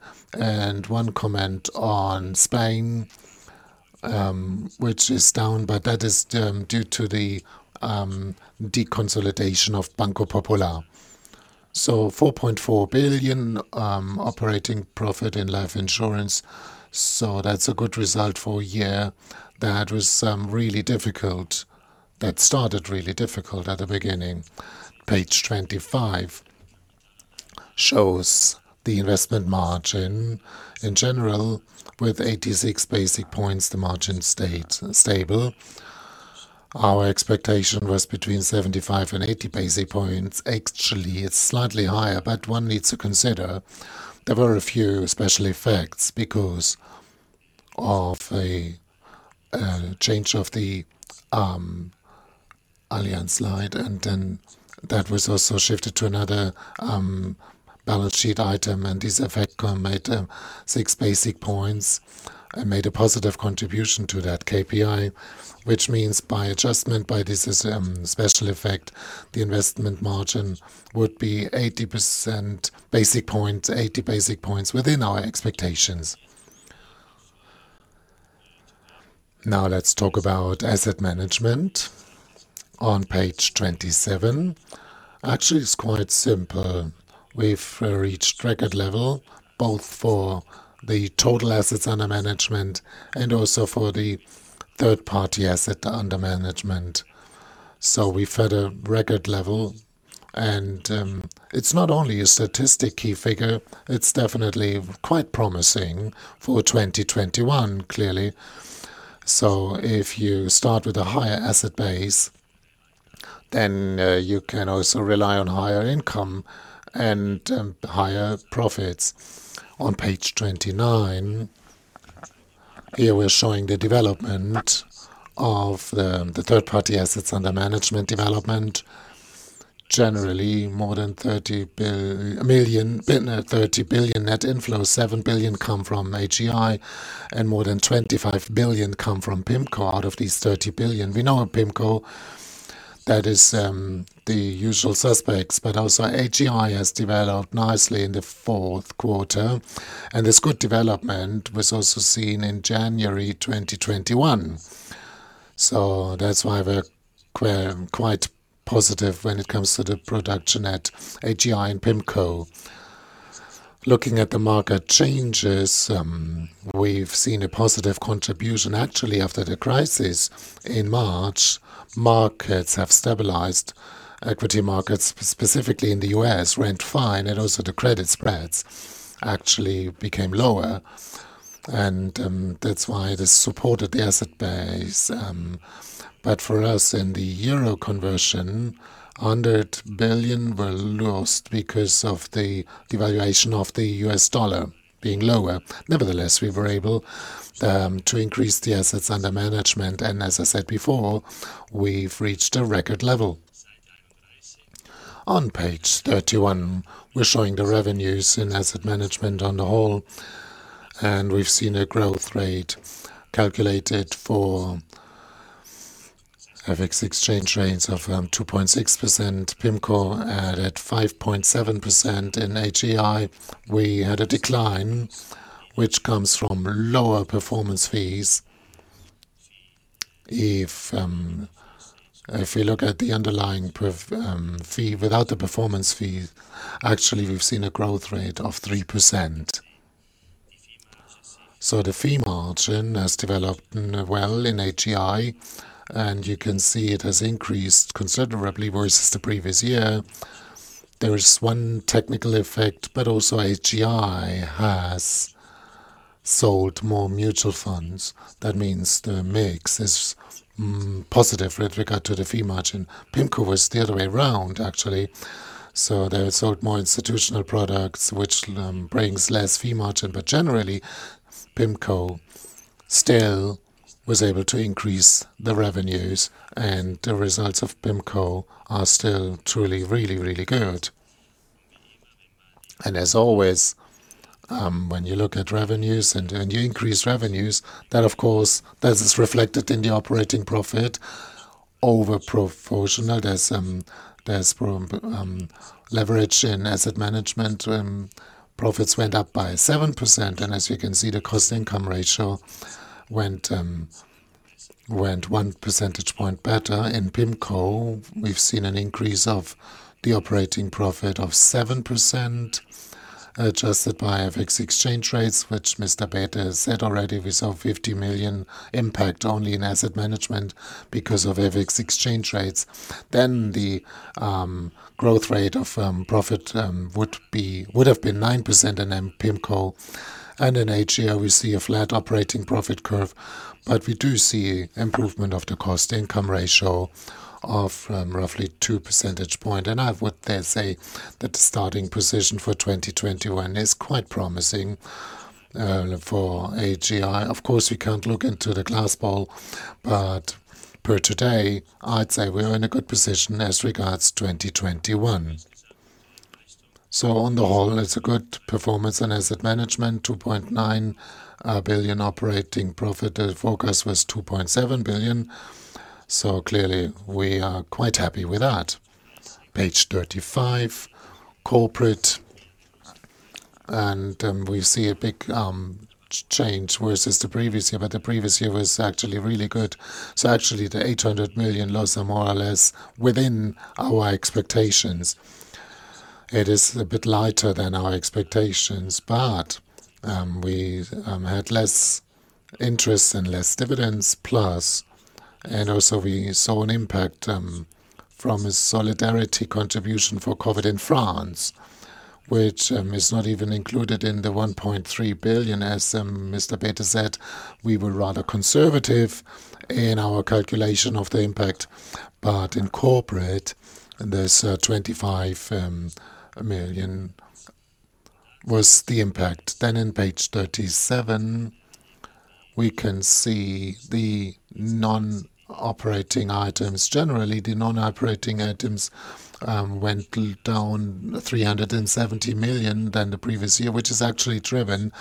One comment on Spain, which is down, but that is due to the deconsolidation of Banco Popular. 4.4 billion operating profit in life insurance. That's a good result for a year that started really difficult at the beginning. Page 25 shows the investment margin. In general, with 86 basis points, the margin stayed stable. Our expectation was between 75 and 80 basis points. It's slightly higher, but one needs to consider there were a few special effects because of a change of the Allianz life, and then that was also shifted to another balance sheet item, and this effect made 6 basis points and made a positive contribution to that KPI, which means by adjustment by this special effect, the investment margin would be 80 basis points within our expectations. Let's talk about asset management on page 27. It's quite simple. We've reached record level, both for the total assets under management and also for the third-party asset under management. We've had a record level, and it's not only a statistic key figure, it's definitely quite promising for 2021, clearly. If you start with a higher asset base, then you can also rely on higher income and higher profits. On page 29, here we're showing the development of the third-party assets under management development. Generally, more than 30 billion net inflow, 7 billion come from AGI, and more than 25 billion come from PIMCO out of these 30 billion. We know at PIMCO, that is the usual suspects, but also AGI has developed nicely in the fourth quarter. This good development was also seen in January 2021. That's why we're quite positive when it comes to the production at AGI and PIMCO. Looking at the market changes, we've seen a positive contribution actually after the crisis in March. Markets have stabilized. Equity markets, specifically in the U.S., went fine, and also the credit spreads actually became lower, and that's why this supported the asset base. For us in the euro conversion, 100 billion were lost because of the devaluation of the U.S. dollar being lower. Nevertheless, we were able to increase the assets under management, and as I said before, we've reached a record level. On page 31, we're showing the revenues in asset management on the whole, and we've seen a growth rate calculated for FX exchange rates of 2.6%. PIMCO added 5.7%. In AGI, we had a decline, which comes from lower performance fees. If you look at the underlying fee without the performance fee, actually, we've seen a growth rate of 3%. The fee margin has developed well in AGI, and you can see it has increased considerably versus the previous year. There is one technical effect, but also AGI has sold more mutual funds. That means the mix is positive with regard to the fee margin. PIMCO was the other way around actually. They sold more institutional products, which brings less fee margin. Generally, PIMCO still was able to increase the revenues and the results of PIMCO are still truly, really, really good. As always, when you look at revenues and you increase revenues, that of course is reflected in the operating profit over proportional. There's some leverage in asset management. Profits went up by 7% and as you can see, the cost-income ratio went one percentage point better. In PIMCO, we've seen an increase of the operating profit of 7%, adjusted by FX exchange rates, which Mr. Bäte said already, we saw 50 million impact only in asset management because of FX exchange rates. The growth rate of profit would have been 9% in PIMCO and in AGI we see a flat operating profit curve, but we do see improvement of the cost-income ratio of roughly two percentage point. I would then say that the starting position for 2021 is quite promising for AGI. Of course, we can't look into the glass ball, but per today, I'd say we're in a good position as regards 2021. On the whole, it's a good performance in asset management, 2.9 billion operating profit. The focus was 2.7 billion. Clearly we are quite happy with that. Page 35, corporate, we see a big change versus the previous year, but the previous year was actually really good. Actually the 800 million loss are more or less within our expectations. It is a bit lighter than our expectations, but we had less interest and less dividends, plus and also we saw an impact from a solidarity contribution for COVID in France, which is not even included in the 1.3 billion. As Mr. Bäte said, we were rather conservative in our calculation of the impact, but in corporate, there's 25 million was the impact. In page 37, we can see the non-operating items. Generally, the non-operating items went down 370 million than the previous year, which is actually driven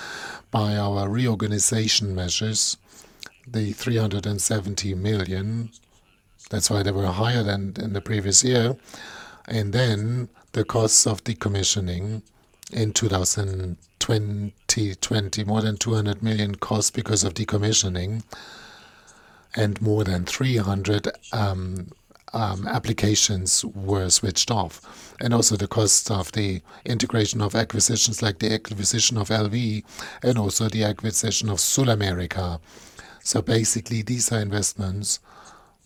by our reorganization measures, the 370 million. That's why they were higher than the previous year. The costs of decommissioning in 2020, more than 200 million costs because of decommissioning and more than 300 applications were switched off. The cost of the integration of acquisitions like the acquisition of LV= and also the acquisition of SulAmérica. These are investments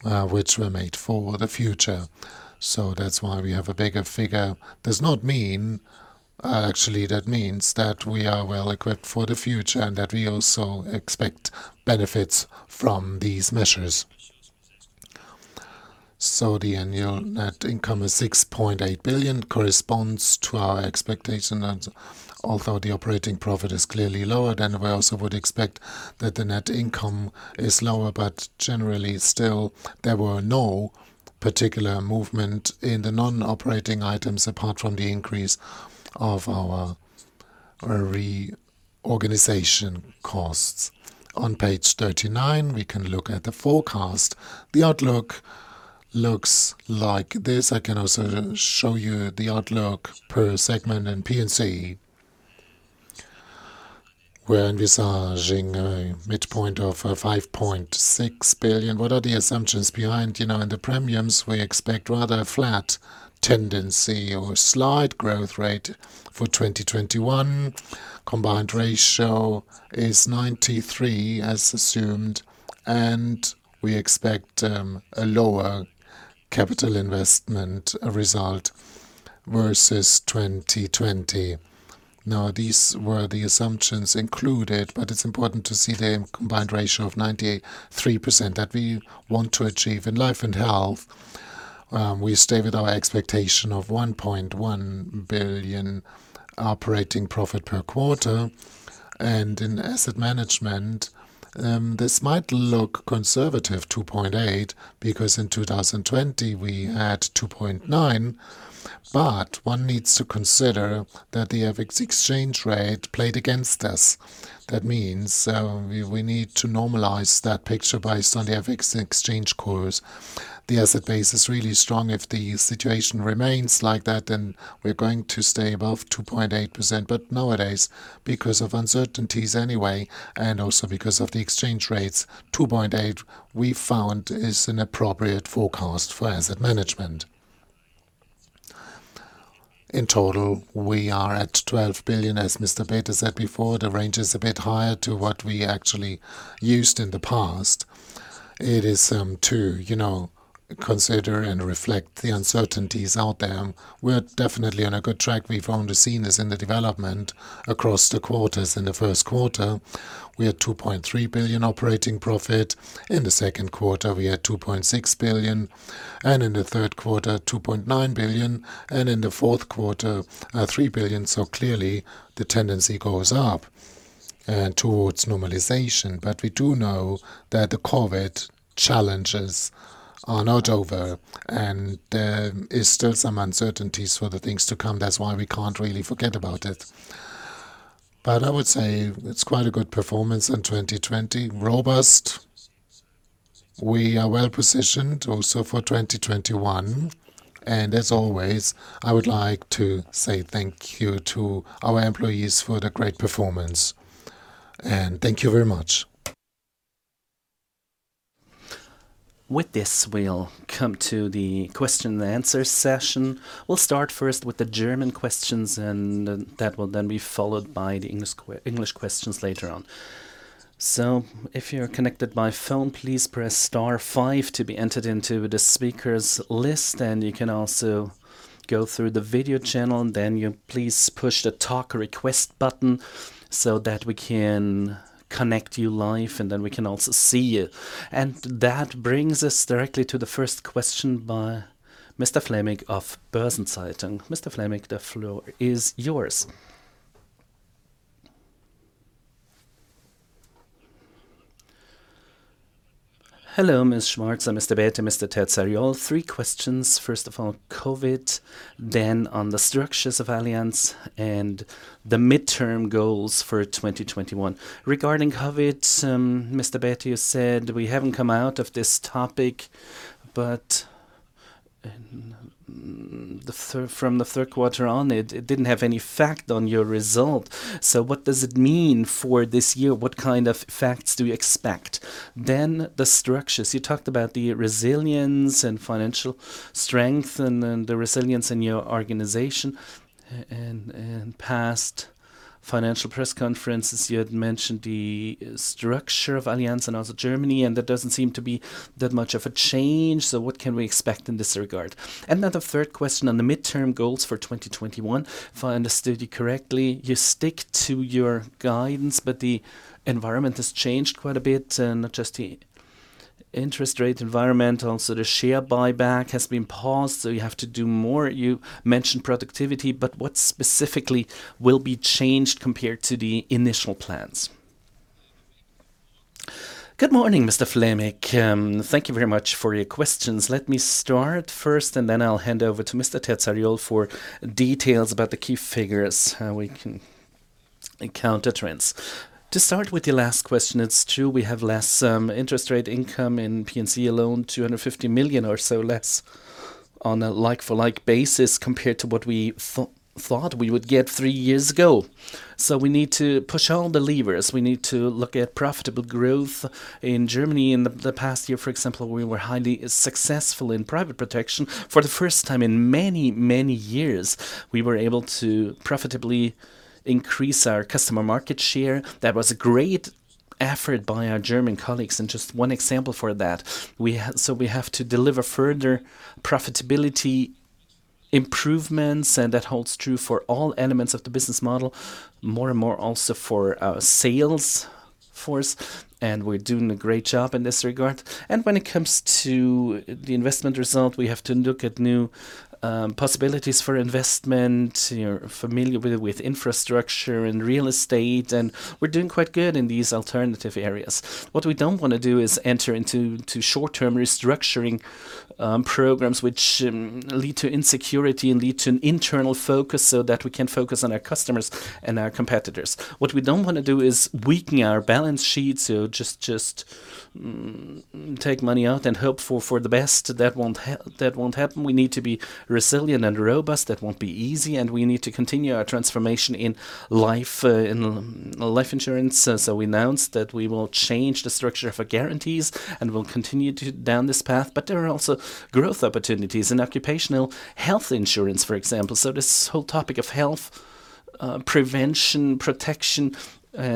which were made for the future. That's why we have a bigger figure. Actually, that means that we are well equipped for the future and that we also expect benefits from these measures. The annual net income is 6.8 billion, corresponds to our expectation and although the operating profit is clearly lower than we also would expect that the net income is lower, but generally still, there were no particular movement in the non-operating items apart from the increase of our reorganization costs. On page 39, we can look at the forecast. The outlook looks like this. I can also show you the outlook per segment and P&C. We're envisaging a midpoint of 5.6 billion. What are the assumptions behind? In the premiums, we expect rather flat tendency or slight growth rate for 2021. Combined ratio is 93% as assumed, and we expect a lower capital investment result versus 2020. These were the assumptions included, but it's important to see the combined ratio of 93% that we want to achieve. In life and health, we stay with our expectation of 1.1 billion operating profit per quarter. In asset management, this might look conservative, 2.8 billion, because in 2020 we had 2.9 billion. One needs to consider that the FX exchange rate played against us. That means we need to normalize that picture based on the FX exchange course. The asset base is really strong. If the situation remains like that, we're going to stay above 2.8%. Nowadays, because of uncertainties anyway, and also because of the exchange rates, 2.8% we found is an appropriate forecast for asset management. In total, we are at 12 billion. As Mr. Bäte said before, the range is a bit higher to what we actually used in the past. It is to consider and reflect the uncertainties out there. We're definitely on a good track. We've only seen this in the development across the quarters. In the first quarter, we had 2.3 billion operating profit. In the second quarter, we had 2.6 billion, and in the third quarter, 2.9 billion, and in the fourth quarter, 3 billion. Clearly, the tendency goes up towards normalization. We do know that the COVID challenges are not over, and there is still some uncertainties for the things to come. That's why we can't really forget about it. I would say it's quite a good performance in 2020. Robust. We are well-positioned also for 2021, and as always, I would like to say thank you to our employees for the great performance. Thank you very much. With this, we'll come to the question and answer session. That will then be followed by the English questions later on. If you're connected by phone, please press star five to be entered into the speakers list, and you can also go through the video channel. You please push the talk request button so that we can connect you live, and then we can also see you. That brings us directly to the first question by Mr. Flämig of Börsen-Zeitung. Mr. Flämig, the floor is yours. Hello, Ms. Schwarzer and Mr. Bäte and Mr. Terzariol. Three questions. First of all, COVID, then on the structures of Allianz and the midterm goals for 2021. Regarding COVID, Mr. Bäte, you said we haven't come out of this topic, from the third quarter on, it didn't have any effect on your result. What does it mean for this year? What kind of effects do you expect? The structures. You talked about the resilience and financial strength and the resilience in your organization. In past financial press conferences, you had mentioned the structure of Allianz and also Germany, that doesn't seem to be that much of a change. What can we expect in this regard? The third question on the midterm goals for 2021. If I understood you correctly, you stick to your guidance, the environment has changed quite a bit, not just the interest rate environment. Also, the share buyback has been paused, you have to do more. You mentioned productivity, but what specifically will be changed compared to the initial plans? Good morning, Mr. Flämig. Thank you very much for your questions. Let me start first, and then I'll hand over to Mr. Terzariol for details about the key figures, how we can counter trends. To start with your last question, it's true we have less interest rate income in P&C alone, 250 million or so less on a like-for-like basis compared to what we thought we would get three years ago. We need to push all the levers. We need to look at profitable growth in Germany. In the past year, for example, we were highly successful in private protection. For the first time in many, many years, we were able to profitably increase our customer market share. That was a great effort by our German colleagues, and just one example for that. We have to deliver further profitability improvements, and that holds true for all elements of the business model, more and more also for our sales force, and we're doing a great job in this regard. When it comes to the investment result, we have to look at new possibilities for investment. You're familiar with infrastructure and real estate, and we're doing quite good in these alternative areas. What we don't want to do is enter into short-term restructuring programs which lead to insecurity and lead to an internal focus, so that we can focus on our customers and our competitors. What we don't want to do is weaken our balance sheet, so just take money out and hope for the best. That won't happen. We need to be resilient and robust. That won't be easy. We need to continue our transformation in life insurance. We announced that we will change the structure for guarantees, and we'll continue down this path. There are also growth opportunities in occupational health insurance, for example. This whole topic of health prevention, protection,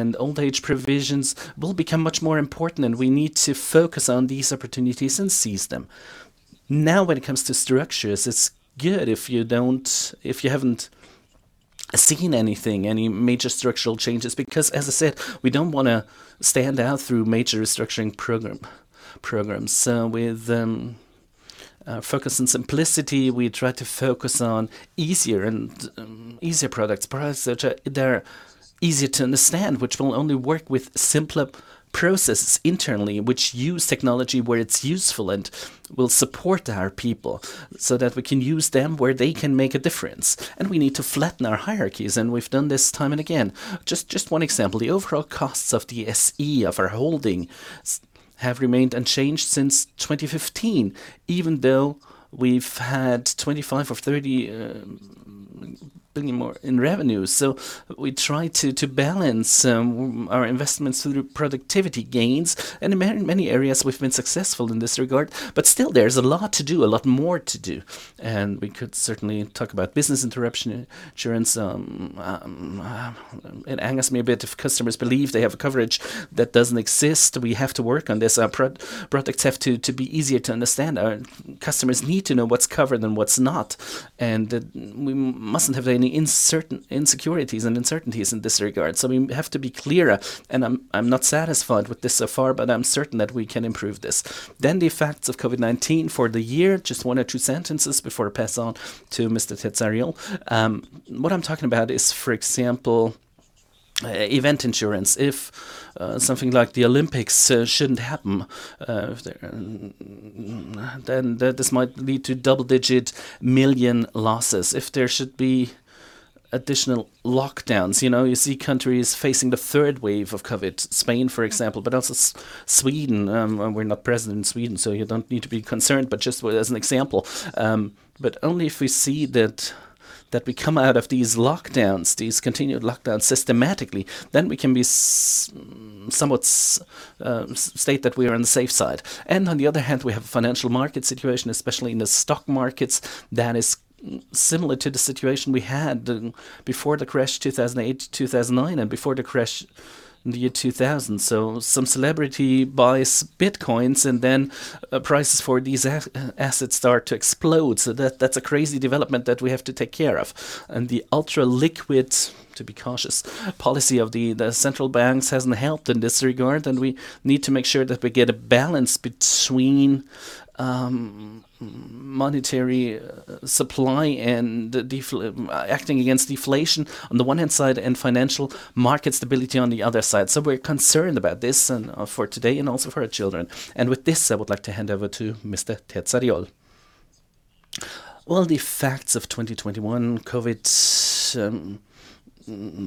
and old age provisions will become much more important, and we need to focus on these opportunities and seize them. Now, when it comes to structures, it's good if you haven't seen anything, any major structural changes, because as I said, we don't want to stand out through major restructuring programs. With focus and simplicity, we try to focus on easier products. Products that are easier to understand, which will only work with simpler processes internally, which use technology where it's useful and will support our people so that we can use them where they can make a difference. We need to flatten our hierarchies, and we've done this time and again. Just one example. The overall costs of the SE of our holding have remained unchanged since 2015, even though we've had 25 or 30 bringing more in revenue. We try to balance our investments through productivity gains. In many areas, we've been successful in this regard, but still there's a lot to do, a lot more to do. We could certainly talk about business interruption insurance. It angers me a bit if customers believe they have coverage that doesn't exist. We have to work on this. Our products have to be easier to understand. Our customers need to know what's covered and what's not, and we mustn't have any insecurities and uncertainties in this regard. We have to be clearer, and I'm not satisfied with this so far, but I'm certain that we can improve this. The effects of COVID-19 for the year, just one or two sentences before I pass on to Mr. Terzariol. What I'm talking about is, for example, event insurance. If something like the Olympics shouldn't happen, then this might lead to double-digit million losses. If there should be additional lockdowns. You see countries facing the third wave of COVID. Spain, for example, but also Sweden. We're not present in Sweden, so you don't need to be concerned, but just as an example. Only if we see that we come out of these lockdowns, these continued lockdowns systematically, then we can somewhat state that we are on the safe side. On the other hand, we have a financial market situation, especially in the stock markets, that is similar to the situation we had before the crash 2008-2009 and before the crash in the year 2000. Some celebrity buys Bitcoins and then prices for these assets start to explode. That's a crazy development that we have to take care of. The ultra-liquid, to be cautious, policy of the central banks hasn't helped in this regard, and we need to make sure that we get a balance between monetary supply and acting against deflation on the one-hand side and financial market stability on the other side. We're concerned about this and for today and also for our children. With this, I would like to hand over to Mr. Terzariol. Well, the facts of 2021 COVID.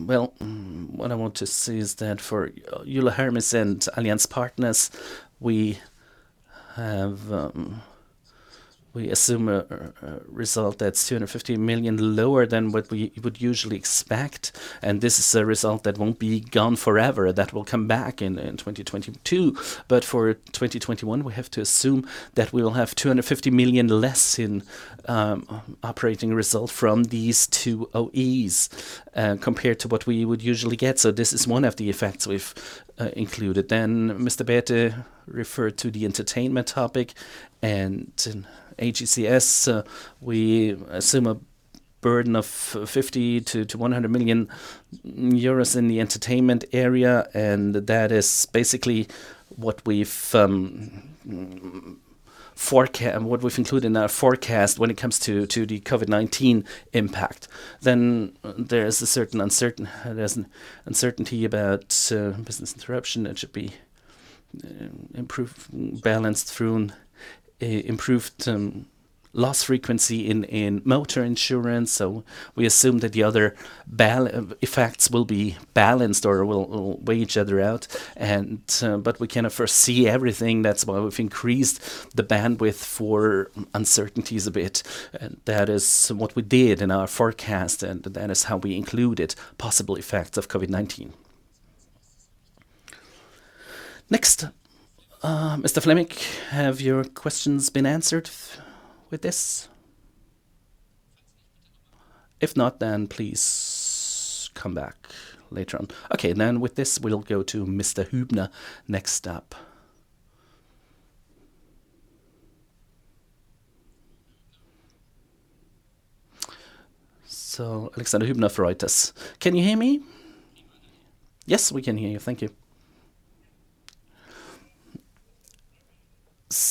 Well, what I want to say is that for Euler Hermes and Allianz Partners, we assume a result that's 250 million lower than what we would usually expect, and this is a result that won't be gone forever, that will come back in 2022. For 2021, we have to assume that we will have 250 million less in operating result from these two OEs compared to what we would usually get. This is one of the effects we've included. Mr. Bäte referred to the entertainment topic. In AGCS, we assume a burden of 50 million-100 million euros in the entertainment area, and that is basically what we've included in our forecast when it comes to the COVID-19 impact. There's an uncertainty about business interruption that should be improved, balanced through improved loss frequency in motor insurance. We assume that the other effects will be balanced or will weigh each other out. We cannot foresee everything. That's why we've increased the bandwidth for uncertainties a bit. That is what we did in our forecast, and that is how we included possible effects of COVID-19. Next. Mr. Flämig, have your questions been answered with this? If not, please come back later on. Okay. With this, we'll go to Mr. Hübner next up. Alexander Hübner from Reuters. Can you hear me? Yes, we can hear you. Thank you.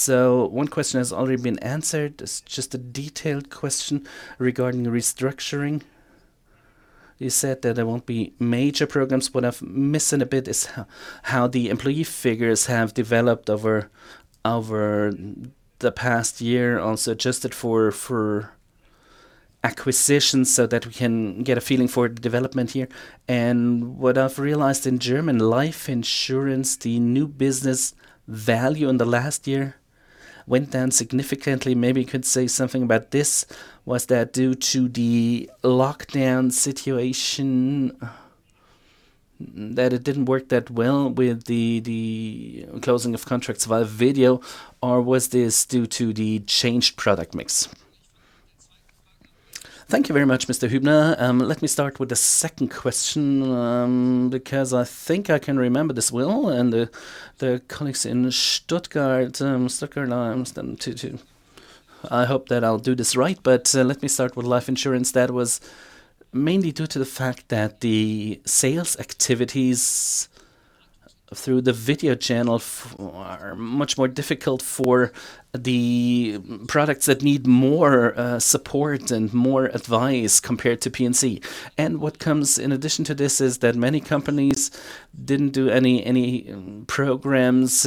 One question has already been answered. It's just a detailed question regarding the restructuring. You said that there won't be major programs, but what I'm missing a bit is how the employee figures have developed over the past year, also adjusted for acquisitions so that we can get a feeling for development here. What I've realized in Allianz Leben, the new business value in the last year went down significantly. Maybe you could say something about this. Was that due to the lockdown situation, that it didn't work that well with the closing of contracts via video, or was this due to the changed product mix? Thank you very much, Mr. Hübner. Let me start with the second question because I think I can remember this well, and the colleagues in Stuttgart, I hope that I'll do this right, but let me start with life insurance. That was mainly due to the fact that the sales activities through the video channel are much more difficult for the products that need more support and more advice compared to P&C. What comes in addition to this is that many companies didn't do any programs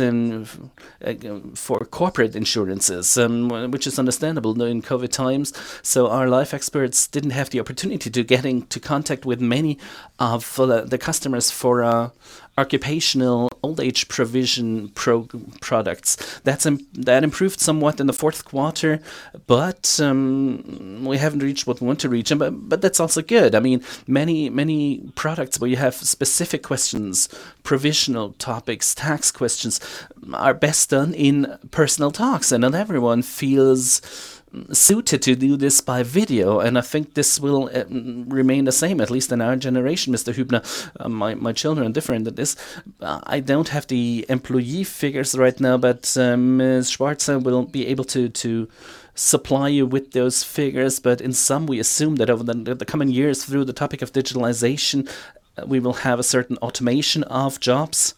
for corporate insurances, which is understandable now in COVID times. Our life experts didn't have the opportunity to get into contact with many of the customers for occupational old age provision products. That improved somewhat in the fourth quarter, but we haven't reached what we want to reach. That's also good. Many products where you have specific questions, provisional topics, tax questions, are best done in personal talks, and not everyone feels suited to do this by video. I think this will remain the same, at least in our generation, Mr. Hübner. My children are different than this. I don't have the employee figures right now, but Ms. Schwarzer will be able to supply you with those figures. In sum, we assume that over the coming years, through the topic of digitalization, we will have a certain automation of jobs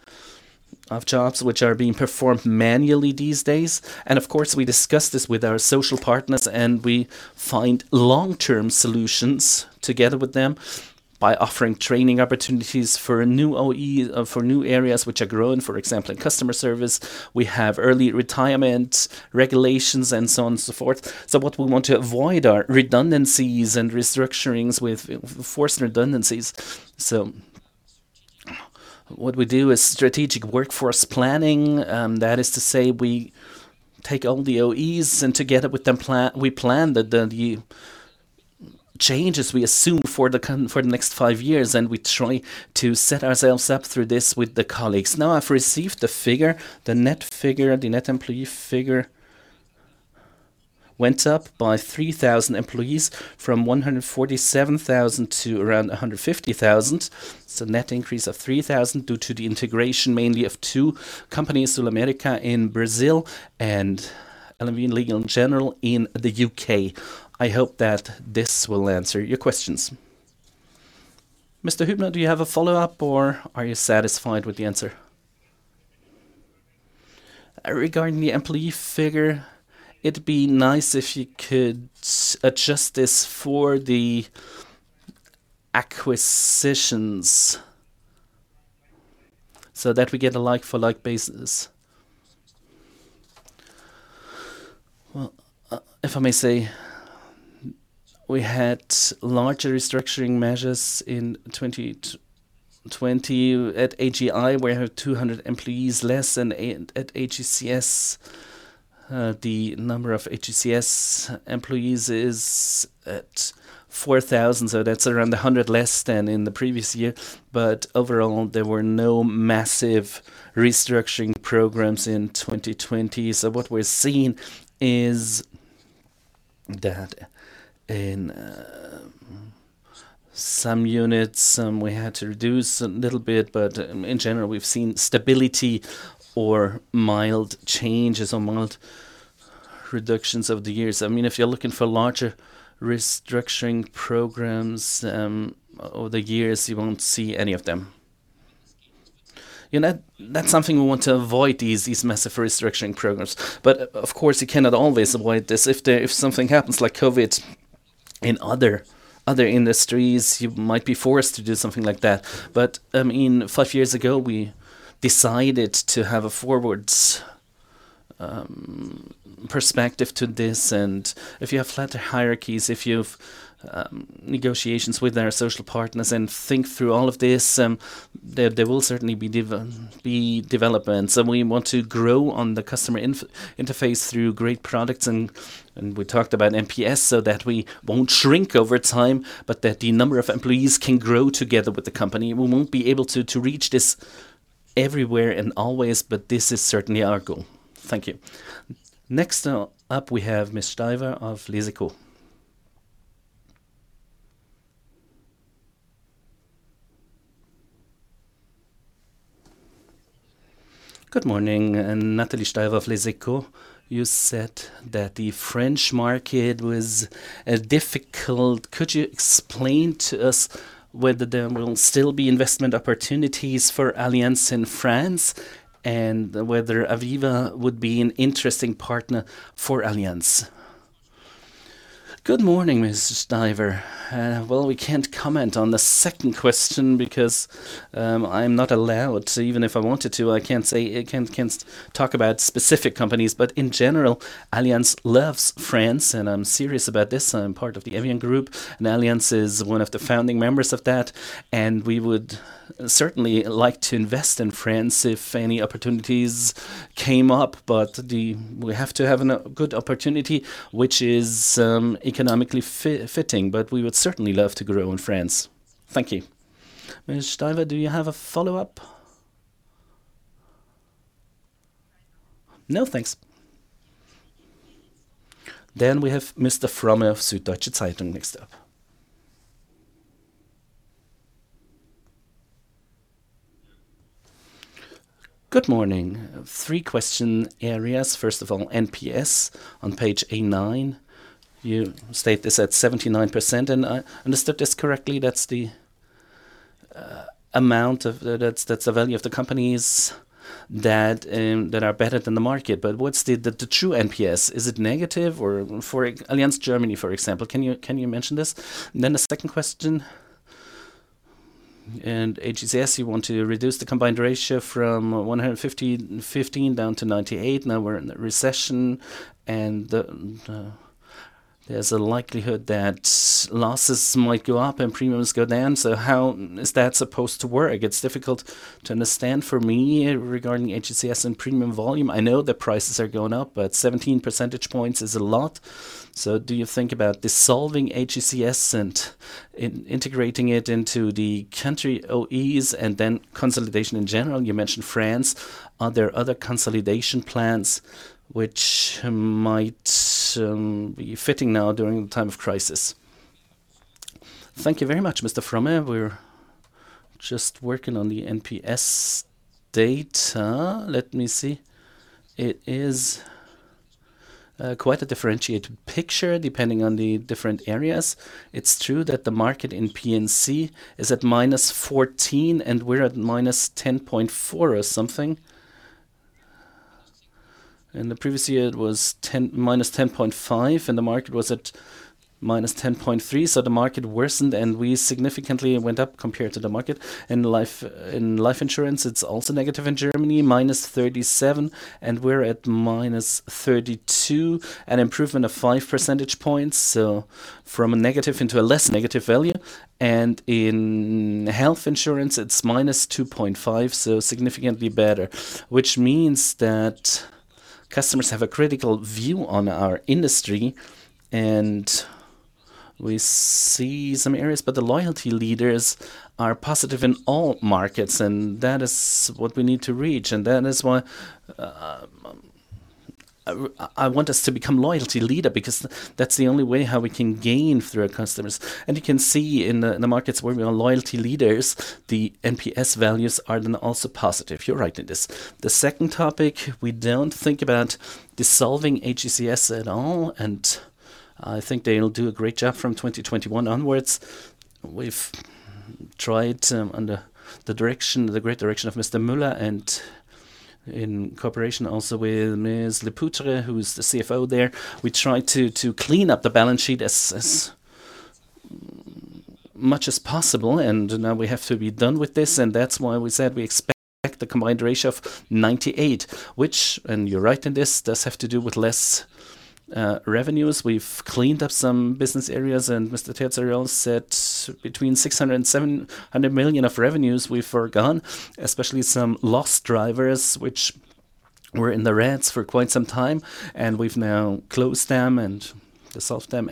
which are being performed manually these days. Of course, we discuss this with our social partners, and we find long-term solutions together with them by offering training opportunities for new OEs, for new areas which are growing. For example, in customer service, we have early retirement regulations and so on and so forth. What we want to avoid are redundancies and restructurings with forced redundancies. What we do is strategic workforce planning. That is to say, we take all the OEs, and together with them, we plan the changes we assume for the next five years, and we try to set ourselves up through this with the colleagues. Now I've received the figure, the net figure, the net employee figure went up by 3,000 employees from 147,000 to around 150,000. Net increase of 3,000 due to the integration mainly of two companies, SulAmérica in Brazil and LV= General in the U.K. I hope that this will answer your questions. Mr. Hübner, do you have a follow-up, or are you satisfied with the answer? Regarding the employee figure, it'd be nice if you could adjust this for the acquisitions so that we get a like for like basis. If I may say, we had larger restructuring measures in 2020 at AGI. We have 200 employees less, and at AGCS, the number of AGCS employees is at 4,000. That's around 100 less than in the previous year. Overall, there were no massive restructuring programs in 2020. What we're seeing is that in some units, we had to reduce a little bit, but in general, we've seen stability or mild changes or mild reductions over the years. If you're looking for larger restructuring programs over the years, you won't see any of them. That's something we want to avoid, these massive restructuring programs. Of course, you cannot always avoid this. If something happens like COVID in other industries, you might be forced to do something like that. Five years ago, we decided to have a forwards perspective to this, and if you have flatter hierarchies, if you have negotiations with our social partners and think through all of this, there will certainly be developments. We want to grow on the customer interface through great products, and we talked about NPS, so that we won't shrink over time, but that the number of employees can grow together with the company. We won't be able to reach this everywhere and always, but this is certainly our goal. Thank you. Next up, we have Ms. Steiwer of Les Echos. Good morning, Nathalie Steiwer of Les Echos. You said that the French market was difficult. Could you explain to us whether there will still be investment opportunities for Allianz in France and whether Aviva would be an interesting partner for Allianz? Good morning, Ms. Steiwer. Well, we can't comment on the second question because I'm not allowed. Even if I wanted to, I can't talk about specific companies. In general, Allianz loves France, and I'm serious about this. I'm part of the Evian group, and Allianz is one of the founding members of that, and we would certainly like to invest in France if any opportunities came up. We have to have a good opportunity, which is economically fitting. We would certainly love to grow in France. Thank you. Ms. Steiwer, do you have a follow-up? No, thanks. We have Mr. Fromme of Süddeutsche Zeitung next up. Good morning. Three question areas. First of all, NPS on page A9. You state this at 79%, and I understood this correctly, that's the value of the companies that are better than the market. What's the true NPS? Is it negative? For Allianz Germany, for example, can you mention this? The second question, in AGCS, you want to reduce the combined ratio from 115 down to 98. We're in the recession, and there's a likelihood that losses might go up and premiums go down. How is that supposed to work? It's difficult to understand for me regarding AGCS and premium volume. I know that prices are going up, 17 percentage points is a lot. Do you think about dissolving AGCS and integrating it into the country OEs consolidation in general? You mentioned France. Are there other consolidation plans which might be fitting now during the time of crisis? Thank you very much, Mr. Fromme. We're just working on the NPS data. Let me see. It is quite a differentiated picture depending on the different areas. It's true that the market in P&C is at -14, and we're at -10.4 or something. In the previous year, it was -10.5, and the market was at -10.3, so the market worsened, and we significantly went up compared to the market. In life insurance, it's also negative in Germany, -37, and we're at -32, an improvement of five percentage points. From a negative into a less negative value. In health insurance, it's -2.5, so significantly better, which means that customers have a critical view on our industry, and we see some areas. The loyalty leaders are positive in all markets, and that is what we need to reach. That is why I want us to become loyalty leader, because that's the only way how we can gain through our customers. You can see in the markets where we are loyalty leaders, the NPS values are then also positive. You're right in this. The second topic, we don't think about dissolving AGCS at all, and I think they'll do a great job from 2021 onwards. We've tried under the great direction of Mr. Müller and in cooperation also with Ms. Lepoutre, who is the CFO there. We tried to clean up the balance sheet as much as possible, and now we have to be done with this. That's why we said we expect the combined ratio of 98%, which, and you're right in this, does have to do with less revenues. We've cleaned up some business areas. Mr. Terzariol said between 600 million and 700 million of revenues we've forgone, especially some loss drivers, which were in the reds for quite some time. We've now closed them and dissolved them.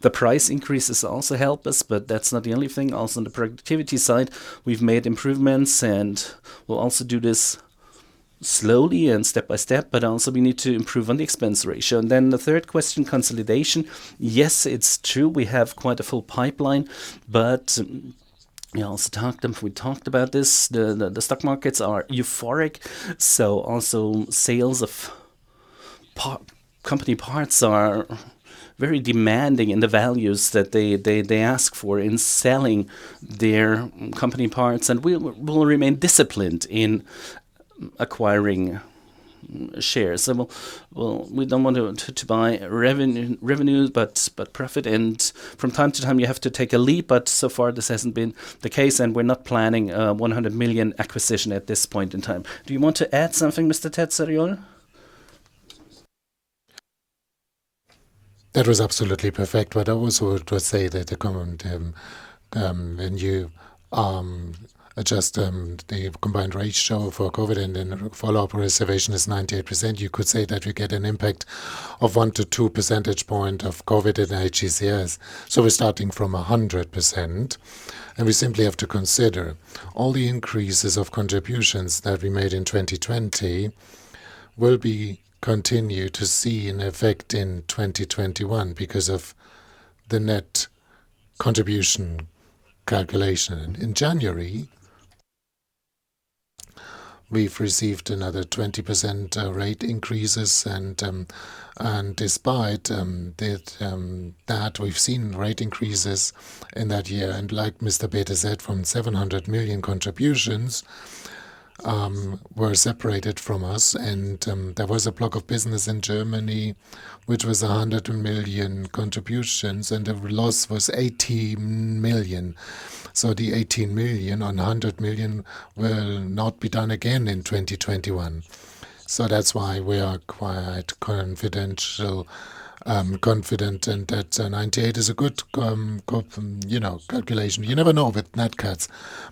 The price increases also help us, but that's not the only thing. Also on the productivity side, we've made improvements. We'll also do this slowly and step by step. Also, we need to improve on the expense ratio. Then the third question, consolidation. Yes, it's true. We have quite a full pipeline. We also talked, if we talked about this, the stock markets are euphoric. Also sales of company parts are very demanding in the values that they ask for in selling their company parts. We will remain disciplined in acquiring shares. We don't want to buy revenue but profit. From time to time, you have to take a leap. So far, this hasn't been the case, and we're not planning a 100 million acquisition at this point in time. Do you want to add something, Mr. Terzariol? That was absolutely perfect. What I also would say that when you adjust the combined ratio for COVID and then follow-up reservation is 98%, you could say that we get an impact of one to two percentage point of COVID in AGCS. We're starting from 100%, and we simply have to consider all the increases of contributions that we made in 2020 will be continued to see in effect in 2021 because of the net contribution calculation. In January, we've received another 20% rate increases. Despite that, we've seen rate increases in that year. Like Mr. Bäte said, from 700 million contributions were separated from us, and there was a block of business in Germany, which was 100 million contributions, and the loss was 18 million. The 18 million on 100 million will not be done again in 2021. That's why we are quite confident, that 98 is a good calculation. You never know with Nat Cats.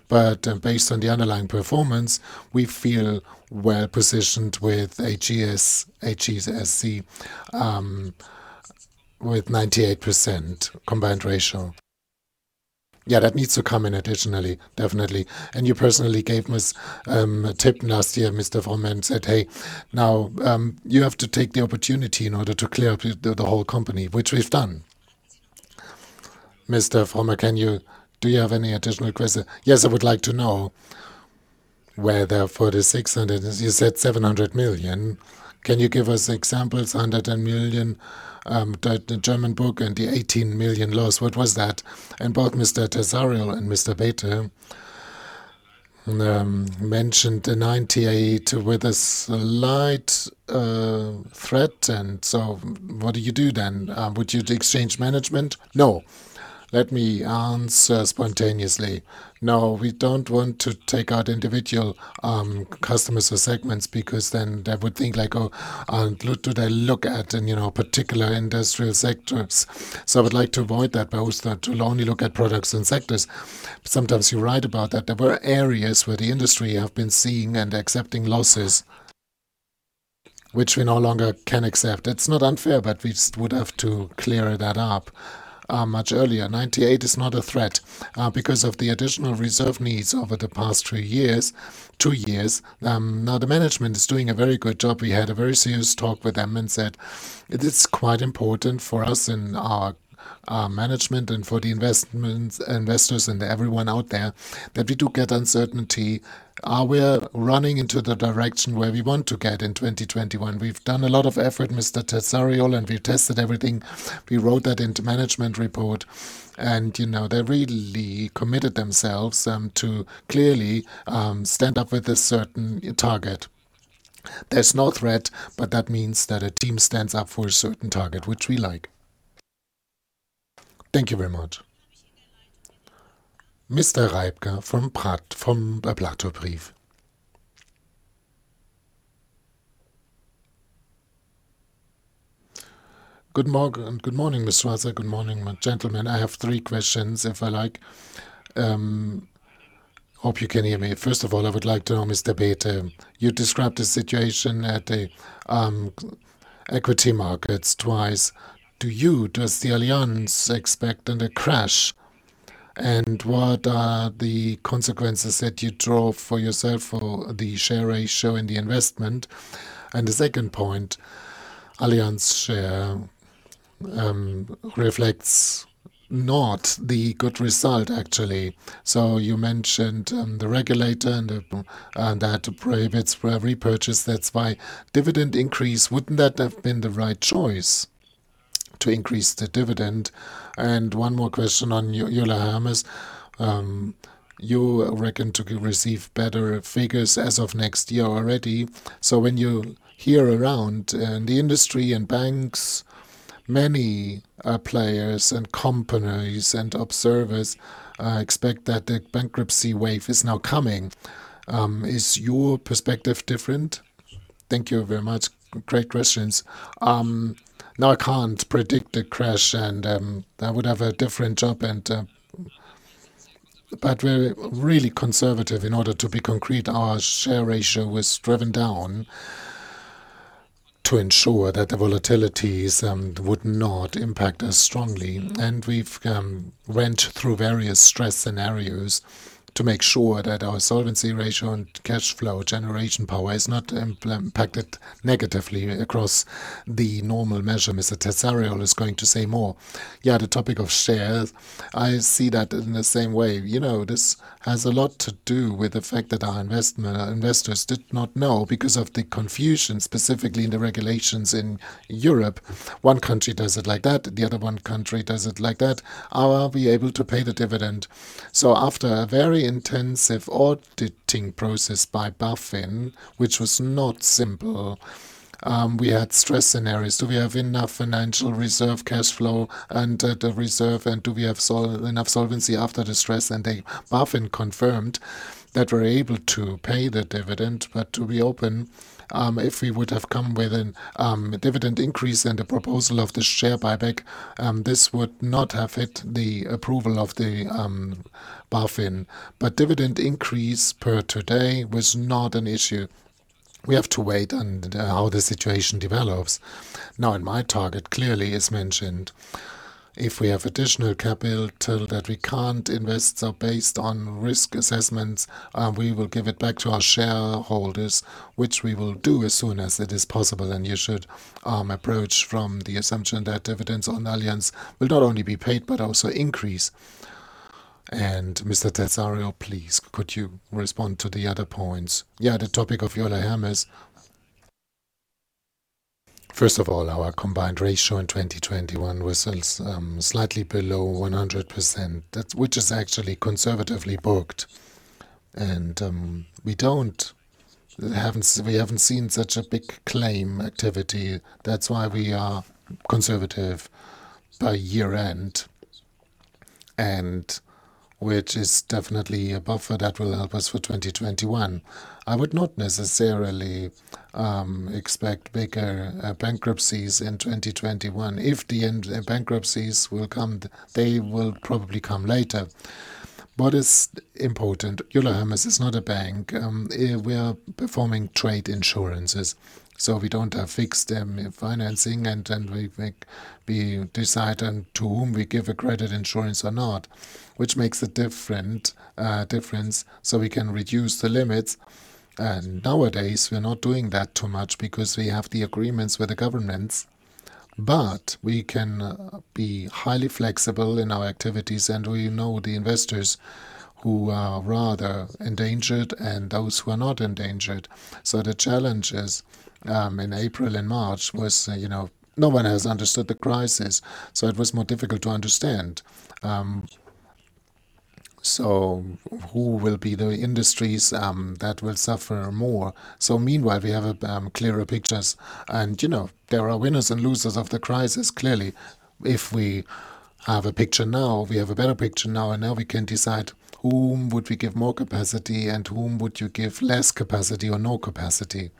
Based on the underlying performance, we feel well-positioned with AGCS, with 98% combined ratio. Yeah, that needs to come in additionally, definitely. You personally gave me a tip last year, Mr. Fromme, and said, "Hey, now you have to take the opportunity in order to clear up the whole company," which we've done. Mr. Fromme, do you have any additional questions? Yes, I would like to know where there are 4,600, as you said, 700 million. Can you give us examples? 110 million, the German book and the 18 million loss. What was that? Both Mr. Terzariol and Mr. Bäte mentioned the 98 with a slight threat. What do you do then? Would you exchange management? No. Let me answer spontaneously. No, we don't want to take out individual customers or segments because then they would think like, oh, do they look at particular industrial sectors? I would like to avoid that by to only look at products and sectors. Sometimes you write about that. There were areas where the industry have been seeing and accepting losses which we no longer can accept. It's not unfair, but we would have to clear that up much earlier. 98 is not a threat because of the additional reserve needs over the past three years, two years. Now, the management is doing a very good job. We had a very serious talk with them and said it is quite important for us in our management and for the investors and everyone out there that we do get certainty. We're running into the direction where we want to get in 2021. We've done a lot of effort, Mr. Terzariol, and we tested everything. We wrote that into management report, and they really committed themselves to clearly stand up with a certain target. There's no threat, but that means that a team stands up for a certain target, which we like. Thank you very much. Mr. Reipka from DER PLATOW Brief. Good morning, Ms. Schwarzer. Good morning, gentlemen. I have three questions, if I like. Hope you can hear me. First of all, I would like to know, Mr. Bäte, you described the situation at the equity markets twice. Does Allianz expect a crash? What are the consequences that you draw for yourself for the share ratio in the investment? The second point, Allianz share reflects not the good result, actually. You mentioned the regulator and they had to prove it for every purchase. That's why dividend increase, wouldn't that have been the right choice to increase the dividend? One more question on Euler Hermes. You reckon to receive better figures as of next year already. When you hear around in the industry and banks, many players and companies and observers expect that the bankruptcy wave is now coming. Is your perspective different? Thank you very much. Great questions. No, I can't predict a crash, and I would have a different job. We're really conservative. In order to be concrete, our share ratio was driven down to ensure that the volatilities would not impact us strongly. We've went through various stress scenarios to make sure that our solvency ratio and cash flow generation power is not impacted negatively across the normal measure. Mr. Terzariol is going to say more. Yeah, the topic of shares, I see that in the same way. This has a lot to do with the fact that our investors did not know because of the confusion, specifically in the regulations in Europe. One country does it like that, the other country does it like that. Are we able to pay the dividend? After a very intensive auditing process by BaFin, which was not simple, we had stress scenarios. Do we have enough financial reserve cash flow under the reserve, and do we have enough solvency after the stress? They, BaFin, confirmed that we're able to pay the dividend, to be open, if we would have come with a dividend increase and a proposal of the share buyback, this would not have hit the approval of the BaFin. Dividend increase per today was not an issue. We have to wait on how the situation develops. In my target, clearly as mentioned, if we have additional capital that we can't invest, so based on risk assessments, we will give it back to our shareholders, which we will do as soon as it is possible. You should approach from the assumption that dividends on Allianz will not only be paid, but also increase. Mr. Terzariol, please, could you respond to the other points? The topic of Euler Hermes. First of all, our combined ratio in 2021 was slightly below 100%, which is actually conservatively booked. We haven't seen such a big claim activity. That's why we are conservative by year-end, and which is definitely a buffer that will help us for 2021. I would not necessarily expect bigger bankruptcies in 2021. If the bankruptcies will come, they will probably come later. What is important, Euler Hermes is not a bank. We are performing trade insurances. We don't have fixed financing. We decide on to whom we give a credit insurance or not, which makes a difference. We can reduce the limits. Nowadays, we are not doing that too much because we have the agreements with the governments. We can be highly flexible in our activities. We know the investors who are rather endangered and those who are not endangered. The challenge in April and March was, no one has understood the crisis. It was more difficult to understand who will be the industries that will suffer more. Meanwhile, we have clearer pictures. There are winners and losers of the crisis, clearly. If we have a picture now, we have a better picture now. Now we can decide whom we would give more capacity and whom you would give less capacity or no capacity.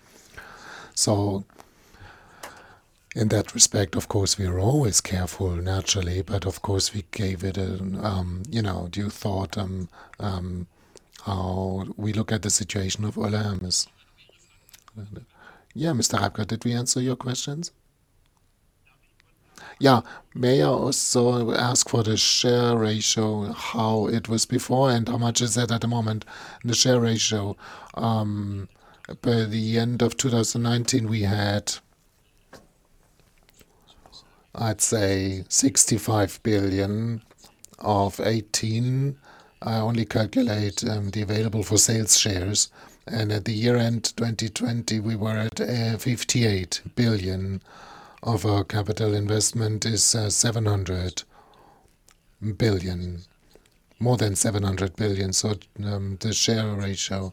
In that respect, of course, we are always careful naturally. Of course, we gave it a due thought on how we look at the situation of Allianz. Yeah, Mr. Reipka, did we answer your questions? May I also ask for the share ratio, how it was before and how much is it at the moment? The share ratio, by the end of 2019, we had, I'd say 65 billion of 18. I only calculate the available for sales shares. At the year-end 2020, we were at 58 billion. Our capital investment is 700 billion, more than 700 billion. The share ratio,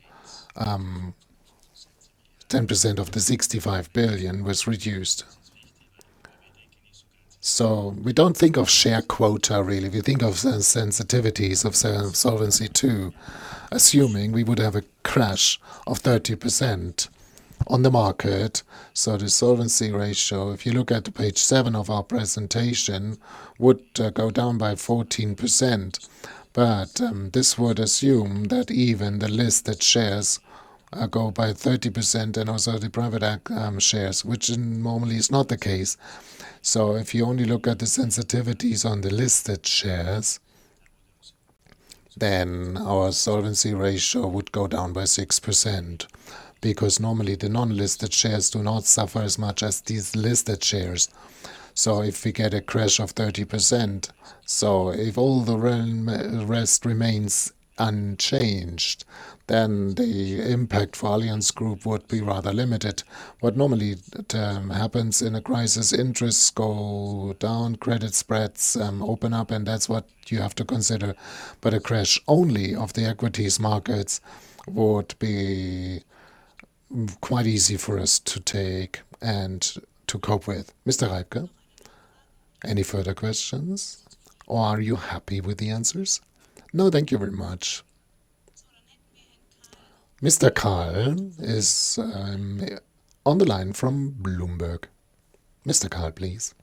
10% of the 65 billion was reduced. We don't think of share quota, really. We think of sensitivities of Solvency II, assuming we would have a crash of 30% on the market. The solvency ratio, if you look at page seven of our presentation, would go down by 14%. This would assume that even the listed shares go by 30% and also the private shares, which normally is not the case. If you only look at the sensitivities on the listed shares, then our solvency ratio would go down by 6% because normally the non-listed shares do not suffer as much as these listed shares. If we get a crash of 30%, so if all the rest remains unchanged, then the impact for Allianz Group would be rather limited. What normally happens in a crisis, interests go down, credit spreads open up, and that's what you have to consider. A crash only of the equities markets would be quite easy for us to take and to cope with. Mr. Reipka, any further questions, or are you happy with the answers? No, thank you very much. Mr. Kahl is on the line from Bloomberg. Mr. Kahl, please.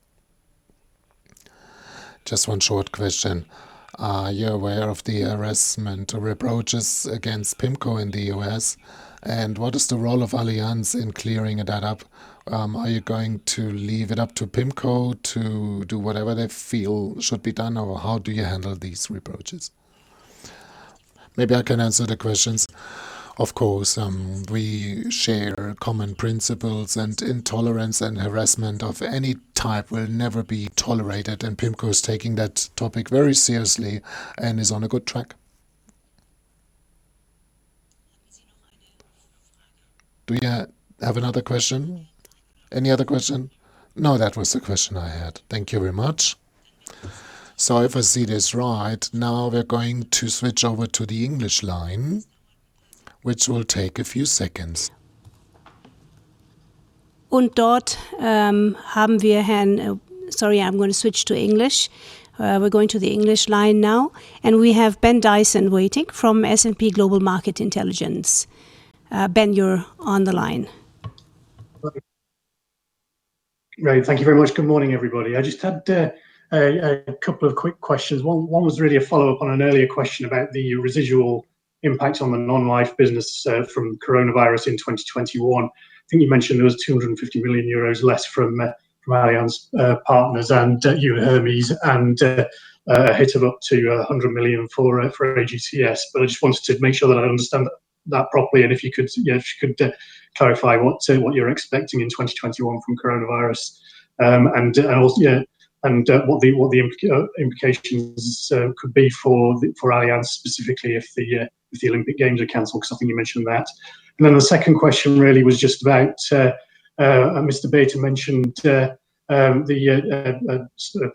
Just one short question. Are you aware of the harassment reproaches against PIMCO in the U.S., and what is the role of Allianz in clearing that up? Are you going to leave it up to PIMCO to do whatever they feel should be done, or how do you handle these reproaches? Maybe I can answer the questions. Of course, we share common principles. Intolerance and harassment of any type will never be tolerated. PIMCO is taking that topic very seriously and is on a good track. Do you have another question? Any other question? No, that was the question I had. Thank you very much. If I see this right, now we're going to switch over to the English line, which will take a few seconds. Sorry, I'm going to switch to English. We're going to the English line now. We have Ben Dyson waiting from S&P Global Market Intelligence. Ben, you're on the line. Right. Thank Thank you very much. Good morning, everybody. I just had a couple of quick questions. One was really a follow-up on an earlier question about the residual impact on the non-life business from coronavirus in 2021. I think you mentioned there was 250 million euros less from Allianz Partners and Euler Hermes and a hit of up to 100 million for AGCS. I just wanted to make sure that I understand that properly and if you could clarify what you're expecting in 2021 from coronavirus. Also, what the implications could be for Allianz specifically if the Olympic Games are canceled, because I think you mentioned that. The second question really was just about, Mr. Bäte mentioned,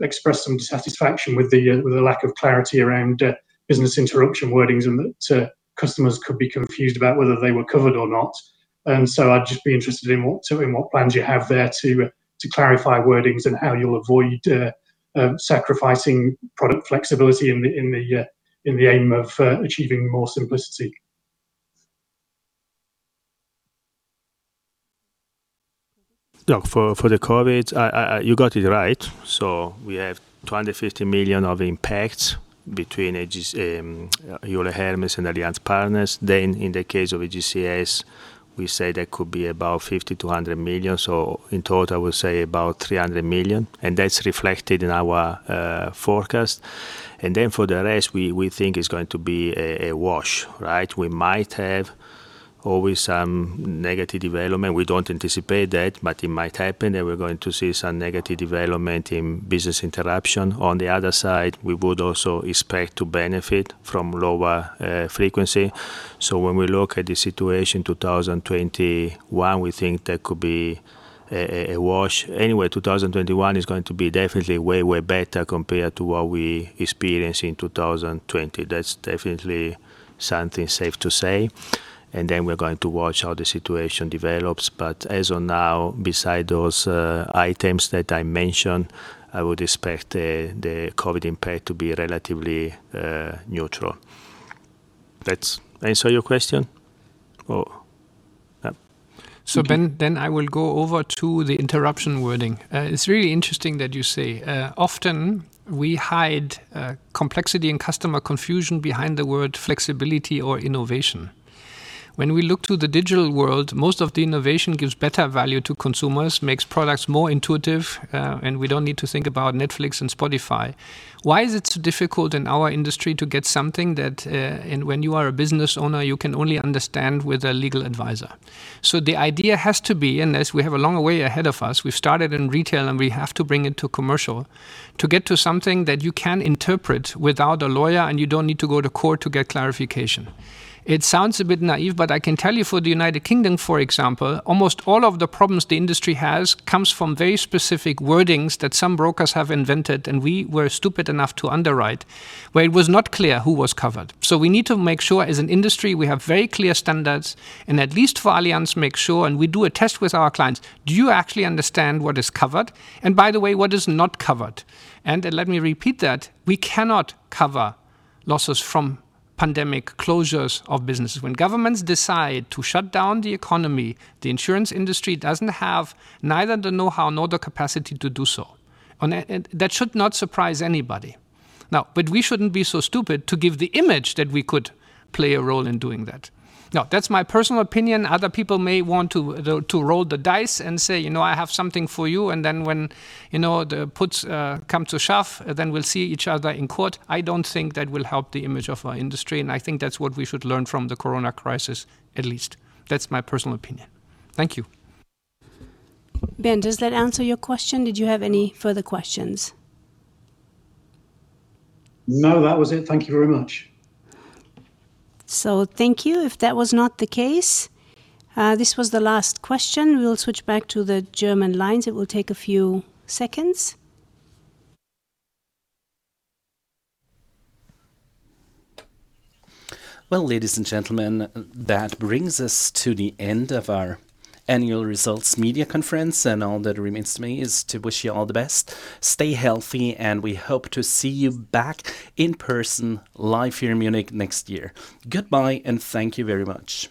expressed some dissatisfaction with the lack of clarity around business interruption wordings and that customers could be confused about whether they were covered or not. I'd just be interested in what plans you have there to clarify wordings and how you'll avoid sacrificing product flexibility in the aim of achieving more simplicity. For the COVID, you got it right. We have 250 million of impact between Euler Hermes and Allianz Partners. In the case of AGCS, we say that could be about 50 million-100 million. In total, we say about 300 million, and that's reflected in our forecast. For the rest, we think it's going to be a wash. Right? We might have always some negative development. We don't anticipate that, but it might happen that we're going to see some negative development in business interruption. On the other side, we would also expect to benefit from lower frequency. When we look at the situation 2021, we think that could be a wash. Anyway, 2021 is going to be definitely way better compared to what we experienced in 2020. That's definitely something safe to say. We're going to watch how the situation develops. As of now, beside those items that I mentioned, I would expect the COVID impact to be relatively neutral. That answer your question? Or no? Ben, I will go over to the interruption wording. It's really interesting that you say. Often we hide complexity and customer confusion behind the word flexibility or innovation. When we look to the digital world, most of the innovation gives better value to consumers, makes products more intuitive, and we don't need to think about Netflix and Spotify. Why is it so difficult in our industry to get something that when you are a business owner, you can only understand with a legal advisor? The idea has to be, as we have a long way ahead of us, we've started in retail, and we have to bring it to commercial to get to something that you can interpret without a lawyer, and you don't need to go to court to get clarification. It sounds a bit naive, but I can tell you for the United Kingdom, for example, almost all of the problems the industry has comes from very specific wordings that some brokers have invented, and we were stupid enough to underwrite, where it was not clear who was covered. We need to make sure as an industry we have very clear standards and at least for Allianz, make sure, and we do a test with our clients. Do you actually understand what is covered? By the way, what is not covered? Let me repeat that. We cannot cover losses from pandemic closures of businesses. When governments decide to shut down the economy, the insurance industry doesn't have neither the knowhow nor the capacity to do so. That should not surprise anybody. We shouldn't be so stupid to give the image that we could play a role in doing that. That's my personal opinion. Other people may want to roll the dice and say, "I have something for you," and then when the push comes to shove, then we'll see each other in court. I don't think that will help the image of our industry, and I think that's what we should learn from the corona crisis, at least. That's my personal opinion. Thank you. Ben, does that answer your question? Did you have any further questions? No, that was it. Thank you very much. Thank you. If that was not the case, this was the last question. We will switch back to the German lines. It will take a few seconds. Well, ladies and gentlemen, that brings us to the end of our annual results media conference. All that remains to me is to wish you all the best. Stay healthy, and we hope to see you back in person, live here in Munich next year. Goodbye, thank you very much.